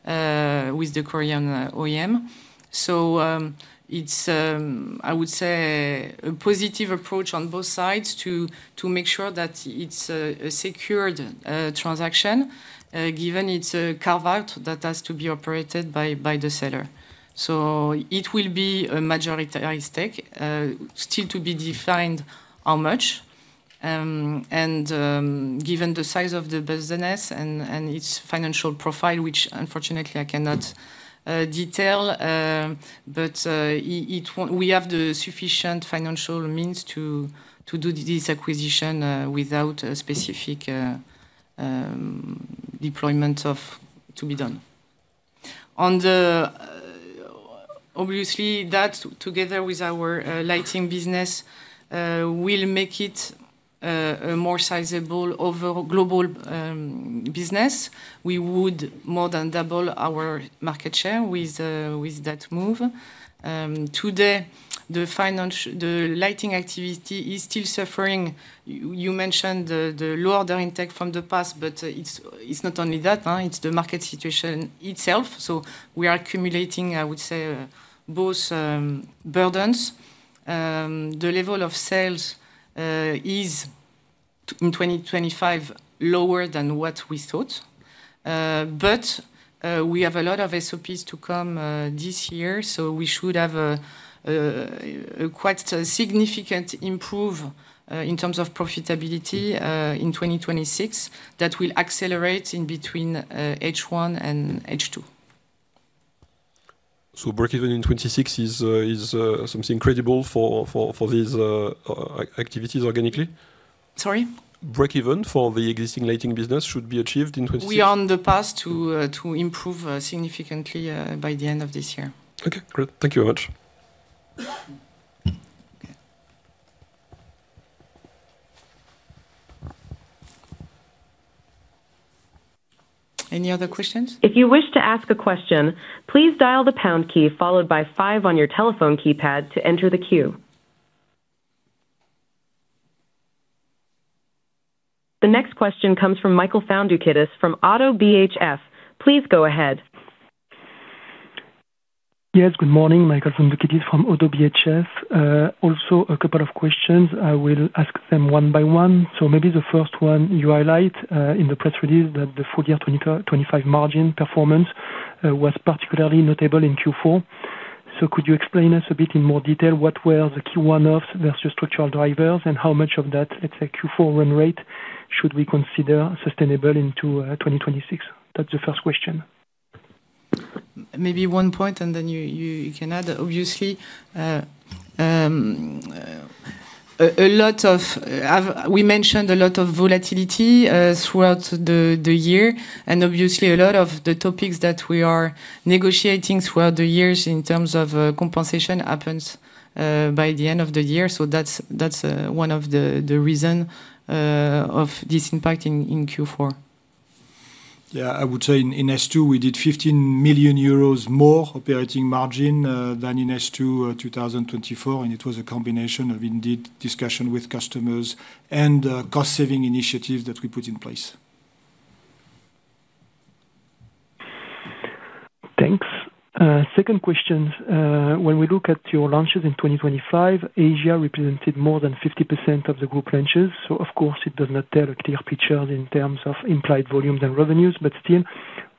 with the Korean OEM. It's, I would say, a positive approach on both sides to make sure that it's a secured transaction, given it's a carve-out that has to be operated by the seller. It will be a majority stake, still to be defined how much. Given the size of the business and its financial profile, which unfortunately I cannot detail, but we have the sufficient financial means to do this acquisition without a specific deployment of... to be done. Obviously, that, together with our Lighting business, will make it a more sizable overall global business. We would more than double our market share with that move. Today, the Lighting activity is still suffering. You mentioned the low order intake from the past. It's not only that, huh? It's the market situation itself. We are accumulating, I would say both burdens. The level of sales is in 2025, lower than what we thought. We have a lot of SOPs to come this year. We should have a quite significant improve in terms of profitability in 2026, that will accelerate in between H1 and H2. Breakeven in 26 is something credible for these activities organically? Sorry? Breakeven for the existing lighting business should be achieved in 2026? We are on the path to improve significantly by the end of this year. Okay, great. Thank you very much. Any other questions? If you wish to ask a question, please dial the pound key followed by five on your telephone keypad to enter the queue. The next question comes from Michael Foundoukidis from Oddo BHF. Please go ahead. Yes, good morning. Michael Foundoukidis from Oddo BHF. Also a couple of questions. I will ask them one by one. Maybe the first one, you highlight in the press release that the full year 2025 margin performance was particularly notable in Q4. Could you explain us a bit in more detail what were the Q1 offs versus structural drivers, and how much of that, let's say, Q4 run rate should we consider sustainable into 2026? That's the first question. Maybe one point, and then you can add. Obviously, we mentioned a lot of volatility throughout the year, and obviously a lot of the topics that we are negotiating throughout the years in terms of compensation happens by the end of the year. That's one of the reason of this impact in Q4. Yeah, I would say in S2, we did 15 million euros more operating margin than in S2, 2024, and it was a combination of indeed, discussion with customers and cost-saving initiatives that we put in place. Thanks. Second question. When we look at your launches in 2025, Asia represented more than 50% of the group launches. Of course, it does not tell a clear picture in terms of implied volumes and revenues. Still,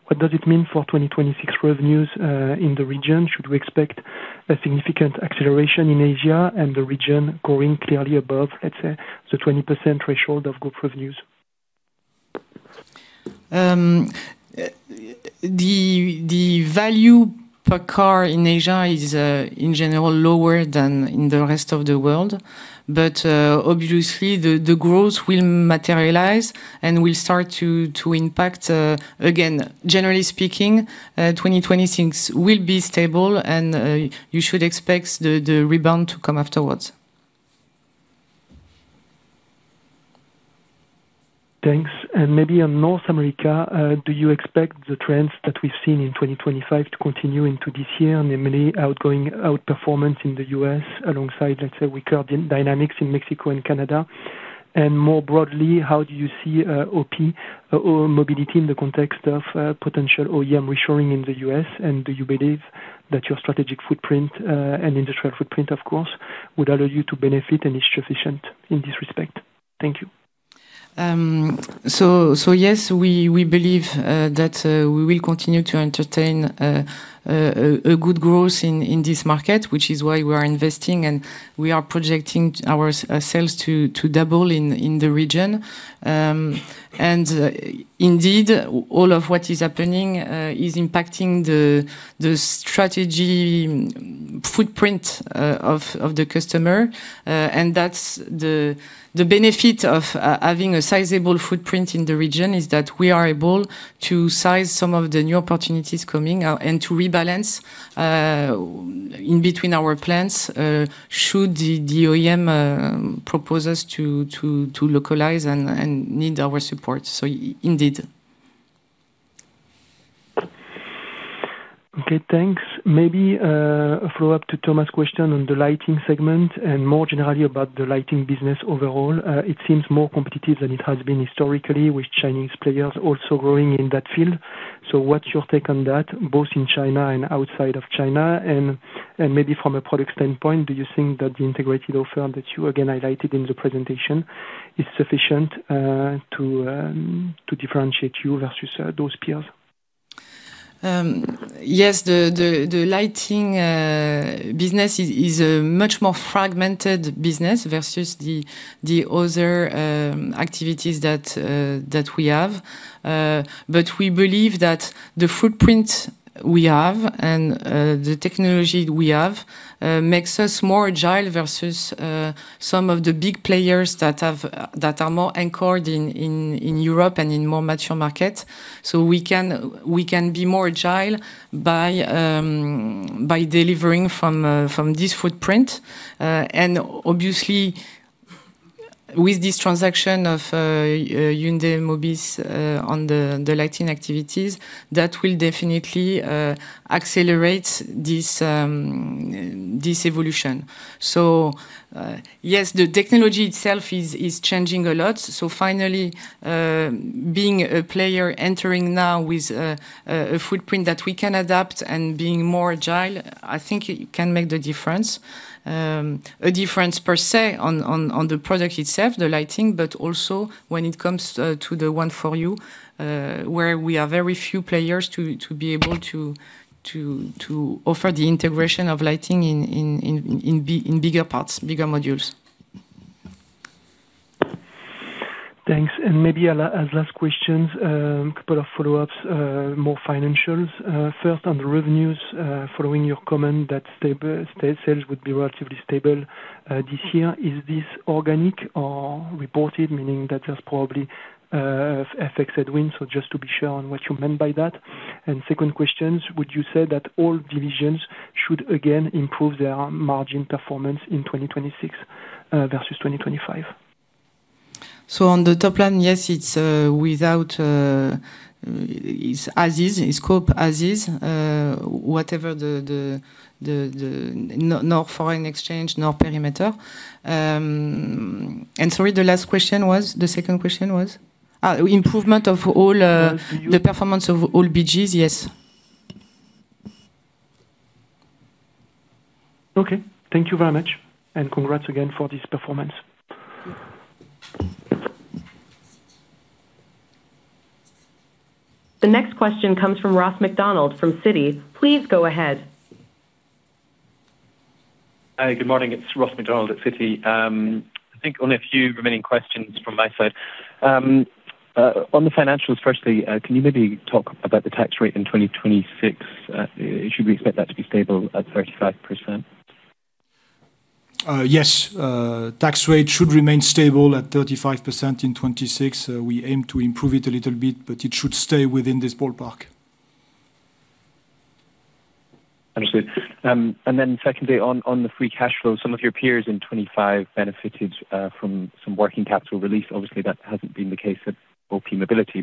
what does it mean for 2026 revenues in the region? Should we expect a significant acceleration in Asia and the region growing clearly above, let's say, the 20% threshold of group revenues? The value per car in Asia is, in general, lower than in the rest of the world. Obviously, the growth will materialize and will start to impact, again, generally speaking, 2026 will be stable and you should expect the rebound to come afterwards. Thanks. Maybe on North America, do you expect the trends that we've seen in 2025 to continue into this year, namely, outperformance in the U.S. alongside, let's say, weaker dynamics in Mexico and Canada? More broadly, how do you see OPmobility in the context of potential OEM reshoring in the U.S.? Do you believe that your strategic footprint, and industrial footprint, of course, would allow you to benefit and is sufficient in this respect? Thank you. Um, so, so yes, we, we believe, uh, that, uh, we will continue to entertain, uh, uh, a, a good growth in, in this market, which is why we are investing, and we are projecting our, uh, sales to, to double in, in the region. Um, and, uh, indeed, all of what is happening, uh, is impacting the, the strategy footprint, uh, of, of the customer. Uh, and that's the... The benefit of, uh, having a sizable footprint in the region is that we are able to size some of the new opportunities coming out and to rebalance, uh, in between our plans, uh, should the, the OEM, um, propose us to, to, to localize and, and need our support. So i- indeed. Okay, thanks. Maybe a follow-up to Thomas' question on the lighting segment and more generally about the lighting business overall. It seems more competitive than it has been historically with Chinese players also growing in that field. What's your take on that, both in China and outside of China? Maybe from a product standpoint, do you think that the integrated offer that you again highlighted in the presentation is sufficient to differentiate you versus those peers? business is a much more fragmented business versus the other activities that we have. But we believe that the footprint we have and the technology we have makes us more agile versus some of the big players that are more anchored in Europe and in more mature markets. We can be more agile by delivering from this footprint. And obviously, with this transaction of Hyundai Mobis on the lighting activities, that will definitely accelerate this evolution. Yes, the technology itself is changing a lot Finally, being a player entering now with a footprint that we can adapt and being more agile, I think it can make the difference. A difference per se on the product itself, the lighting, but also when it comes to the One for You, where we are very few players to be able to offer the integration of lighting in big, bigger parts, bigger modules. Thanks. Maybe as last questions, a couple of follow-ups, more financials. First, on the revenues, following your comment that stable sales would be relatively stable this year. Is this organic or reported? Meaning that there's probably FX headwinds. Just to be sure on what you meant by that. Second questions, would you say that all divisions should again improve their margin performance in 2026 versus 2025? On the top line, yes, it's without, it's as is, it's scope as is. Whatever the no foreign exchange, no perimeter. Sorry, the last question was? The second question was? Improvement of all. Yes. The performance of all BGs, yes. Okay. Thank you very much. Congrats again for this performance. The next question comes from Ross MacDonald from Citi. Please go ahead. Hi, good morning, it's Ross MacDonald at Citi. I think only a few remaining questions from my side. On the financials, firstly, can you maybe talk about the tax rate in 2026? Should we expect that to be stable at 35%? Yes. Tax rate should remain stable at 35% in 2026. We aim to improve it a little bit, but it should stay within this ballpark. Understood. Secondly, on the free cash flow, some of your peers in 2025 benefited from some working capital release. Obviously, that hasn't been the case at OPmobility.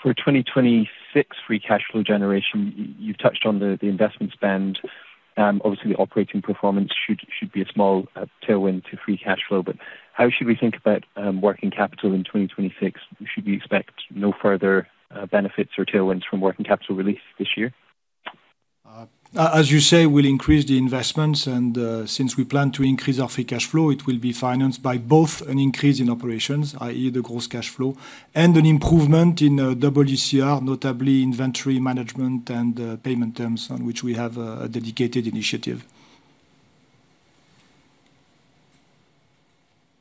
For 2026 free cash flow generation, you've touched on the investment spend. Obviously, the operating performance should be a small tailwind to free cash flow. How should we think about working capital in 2026? Should we expect no further benefits or tailwinds from working capital release this year? As you say, we'll increase the investments, and since we plan to increase our free cash flow, it will be financed by both an increase in operations, i.e., the gross cash flow, and an improvement in WCR, notably inventory management and payment terms on which we have a dedicated initiative.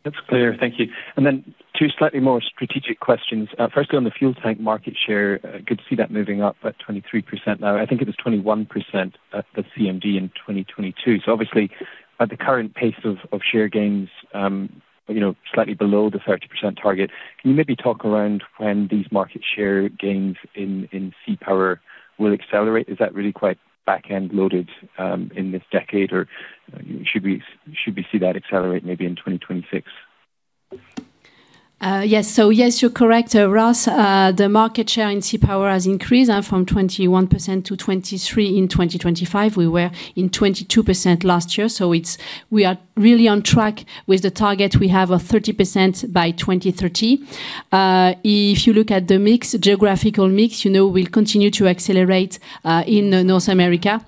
That's clear. Thank you. Two slightly more strategic questions. Firstly, on the fuel tank market share, good to see that moving up at 23% now. I think it was 21% at the CMD in 2022. Obviously, at the current pace of share gains, you know, slightly below the 30% target. Can you maybe talk around when these market share gains in C-Power will accelerate? Is that really quite back-end loaded in this decade, or should we see that accelerate maybe in 2026? Yes, you're correct, Ross. The market share in C-Power has increased from 21% to 23% in 2025. We were in 22% last year, we are really on track with the target we have of 30% by 2030. If you look at the mix, geographical mix, you know, we'll continue to accelerate in North America,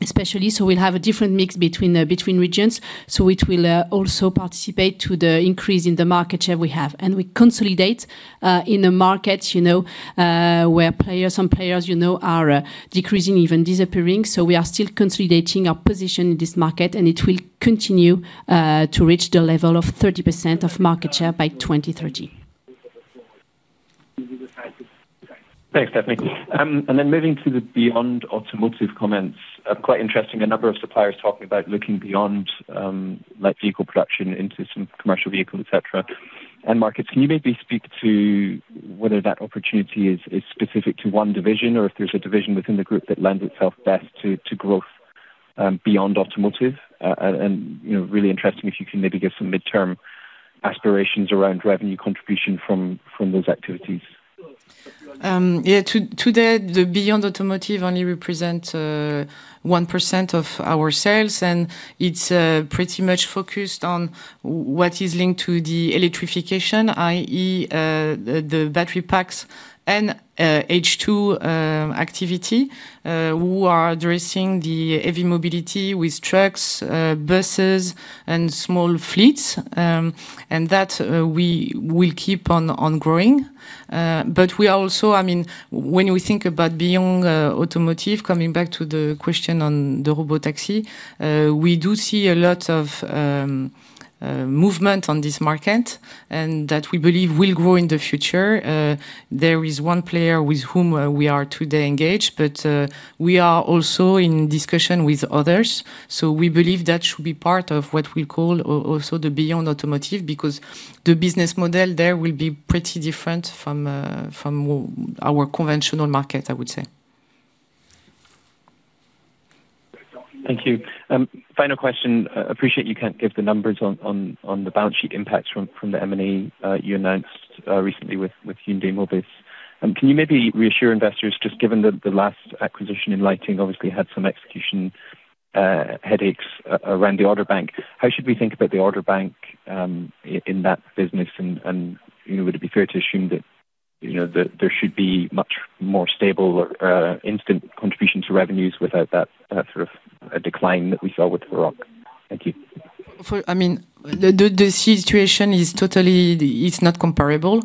especially. We'll have a different mix between regions, it will also participate to the increase in the market share we have. We consolidate in the markets, you know, where players, some players you know are decreasing, even disappearing. We are still consolidating our position in this market, and it will continue to reach the level of 30% of market share by 2030. Thanks, Stéphanie. Moving to the beyond automotive comments. Quite interesting, a number of suppliers talking about looking beyond, like, vehicle production into some commercial vehicle, et cetera, end markets. Can you maybe speak to whether that opportunity is specific to one division, or if there's a division within the group that lends itself best to growth beyond automotive? You know, really interesting, if you can maybe give some midterm aspirations around revenue contribution from those activities. Yeah, today, the beyond automotive only represent 1% of our sales, it's pretty much focused on what is linked to the electrification, i.e., the battery packs and H2 activity, we are addressing the EV mobility with trucks, buses and small fleets. That we will keep on growing. We are also. I mean, when we think about beyond automotive, coming back to the question on the robotaxi, we do see a lot of movement on this market and that we believe will grow in the future. There is one player with whom we are today engaged, but we are also in discussion with others. We believe that should be part of what we call also the beyond automotive, because the business model there will be pretty different from from our conventional market, I would say. Thank you. Final question. Appreciate you can't give the numbers on the balance sheet impacts from the M&A you announced recently with Hyundai Mobis. Can you maybe reassure investors, just given that the last acquisition in lighting obviously had some execution headaches around the order bank? How should we think about the order bank in that business, and, you know, would it be fair to assume that, you know, that there should be much more stable, instant contribution to revenues without that sort of a decline that we saw with Varroc? Thank you. I mean, the situation is totally, it's not comparable.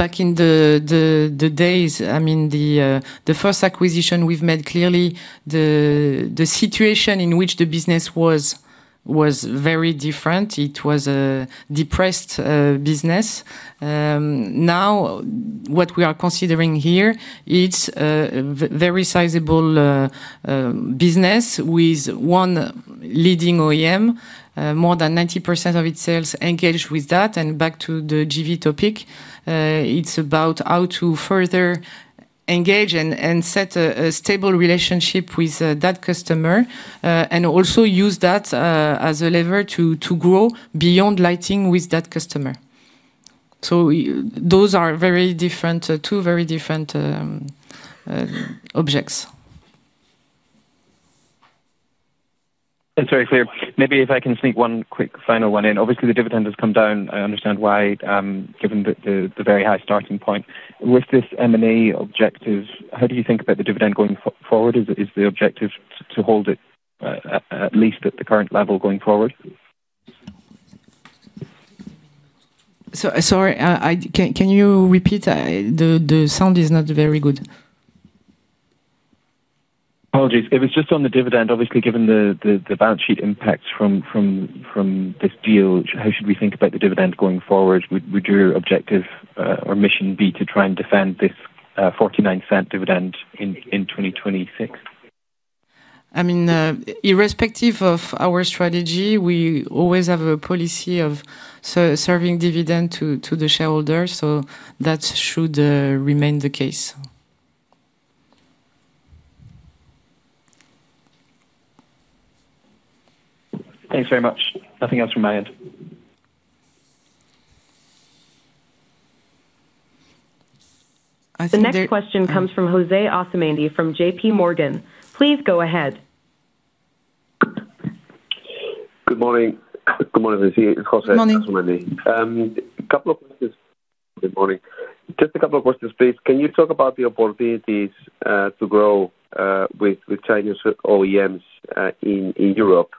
Back in the days, I mean, the first acquisition we've made, clearly the situation in which the business was very different. It was a depressed business. Now, what we are considering here, it's a very sizable business with one leading OEM, more than 90% of its sales engaged with that. Back to the JV topic, it's about how to further engage and set a stable relationship with that customer, and also use that as a lever to grow beyond lighting with that customer. Those are very different, two very different objects. That's very clear. Maybe if I can sneak one quick final one in. Obviously, the dividend has come down. I understand why, given the very high starting point. With this M&A objective, how do you think about the dividend going forward? Is the objective to hold it at least at the current level going forward? Sorry, I, can you repeat? The sound is not very good. Apologies. It was just on the dividend. Obviously, given the balance sheet impacts from this deal, how should we think about the dividend going forward? Would your objective or mission be to try and defend this 0.49 dividend in 2026? I mean, irrespective of our strategy, we always have a policy of serving dividend to the shareholders, so that should, remain the case. Thanks very much. Nothing else from my end. I think there- The next question comes from José Asumendi from JPMorgan. Please go ahead. Good morning. Good morning, this is José Asumendi. Good morning. A couple of questions. Good morning. Just a couple of questions, please. Can you talk about the opportunities to grow with Chinese OEMs in Europe,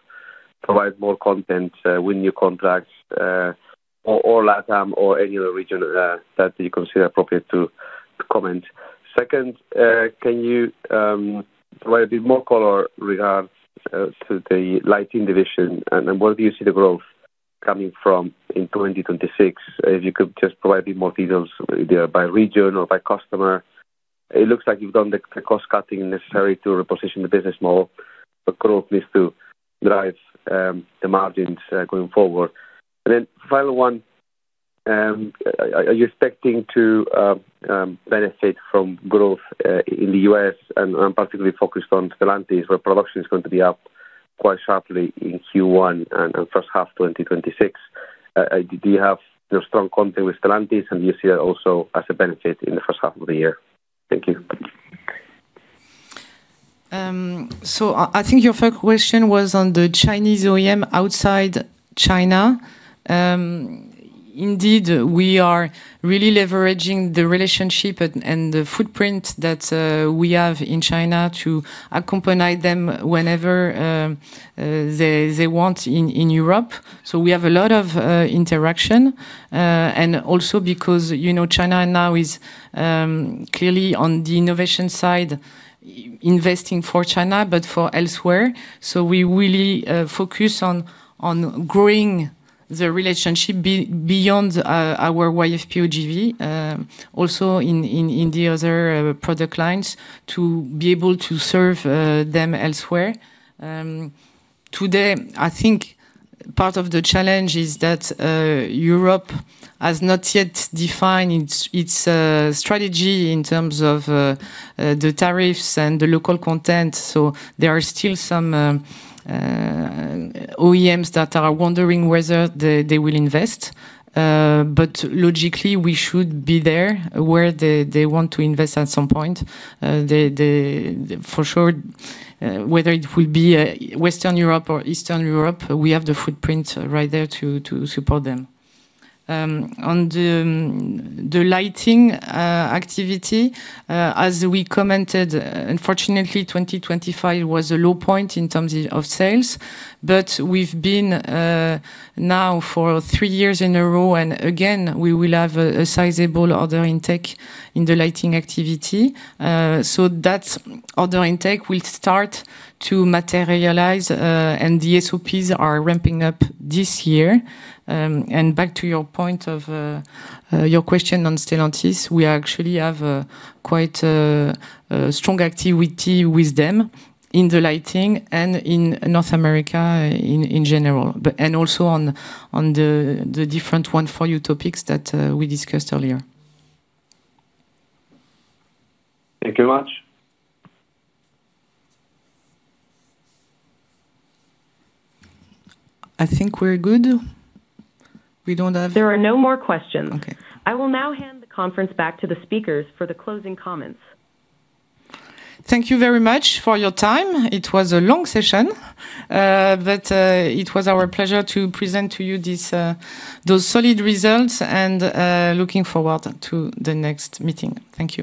provide more content with new contracts, or LATAM or any other region that you consider appropriate to comment? Second, can you provide a bit more color regards to the lighting division? Then where do you see the growth coming from in 2026? If you could just provide a bit more details, either by region or by customer. It looks like you've done the cost-cutting necessary to reposition the business model. Growth needs to drive the margins going forward. Final one, are you expecting to benefit from growth in the US and particularly focused on Stellantis, where production is going to be up quite sharply in Q1 and first half 2026? Do you have the strong content with Stellantis, and do you see that also as a benefit in the first half of the year? Thank you. I think your first question was on the Chinese OEM outside China. Indeed, we are really leveraging the relationship and the footprint that we have in China to accompany them whenever they want in Europe. We have a lot of interaction and also because, you know, China now is clearly on the innovation side, investing for China, but for elsewhere. We really focus on growing the relationship beyond our YFPO JV, also in the other product lines, to be able to serve them elsewhere. Today, I think part of the challenge is that Europe has not yet defined its strategy in terms of the tariffs and the local content. There are still some OEMs that are wondering whether they will invest. Logically, we should be there where they want to invest at some point. For sure, whether it will be Western Europe or Eastern Europe, we have the footprint right there to support them. On the lighting activity, as we commented, unfortunately, 2025 was a low point in terms of sales, but we've been now for 3 years in a row. Again, we will have a sizable order intake in the lighting activity. That order intake will start to materialize, and the SOPs are ramping up this year. Back to your point of your question on Stellantis, we actually have a quite strong activity with them in the Lighting and in North America, in general, but and also on the different One for You topics that we discussed earlier. Thank you very much. I think we're good. We don't have- There are no more questions. Okay. I will now hand the conference back to the speakers for the closing comments. Thank you very much for your time. It was a long session, but it was our pleasure to present to you this, those solid results and looking forward to the next meeting. Thank you.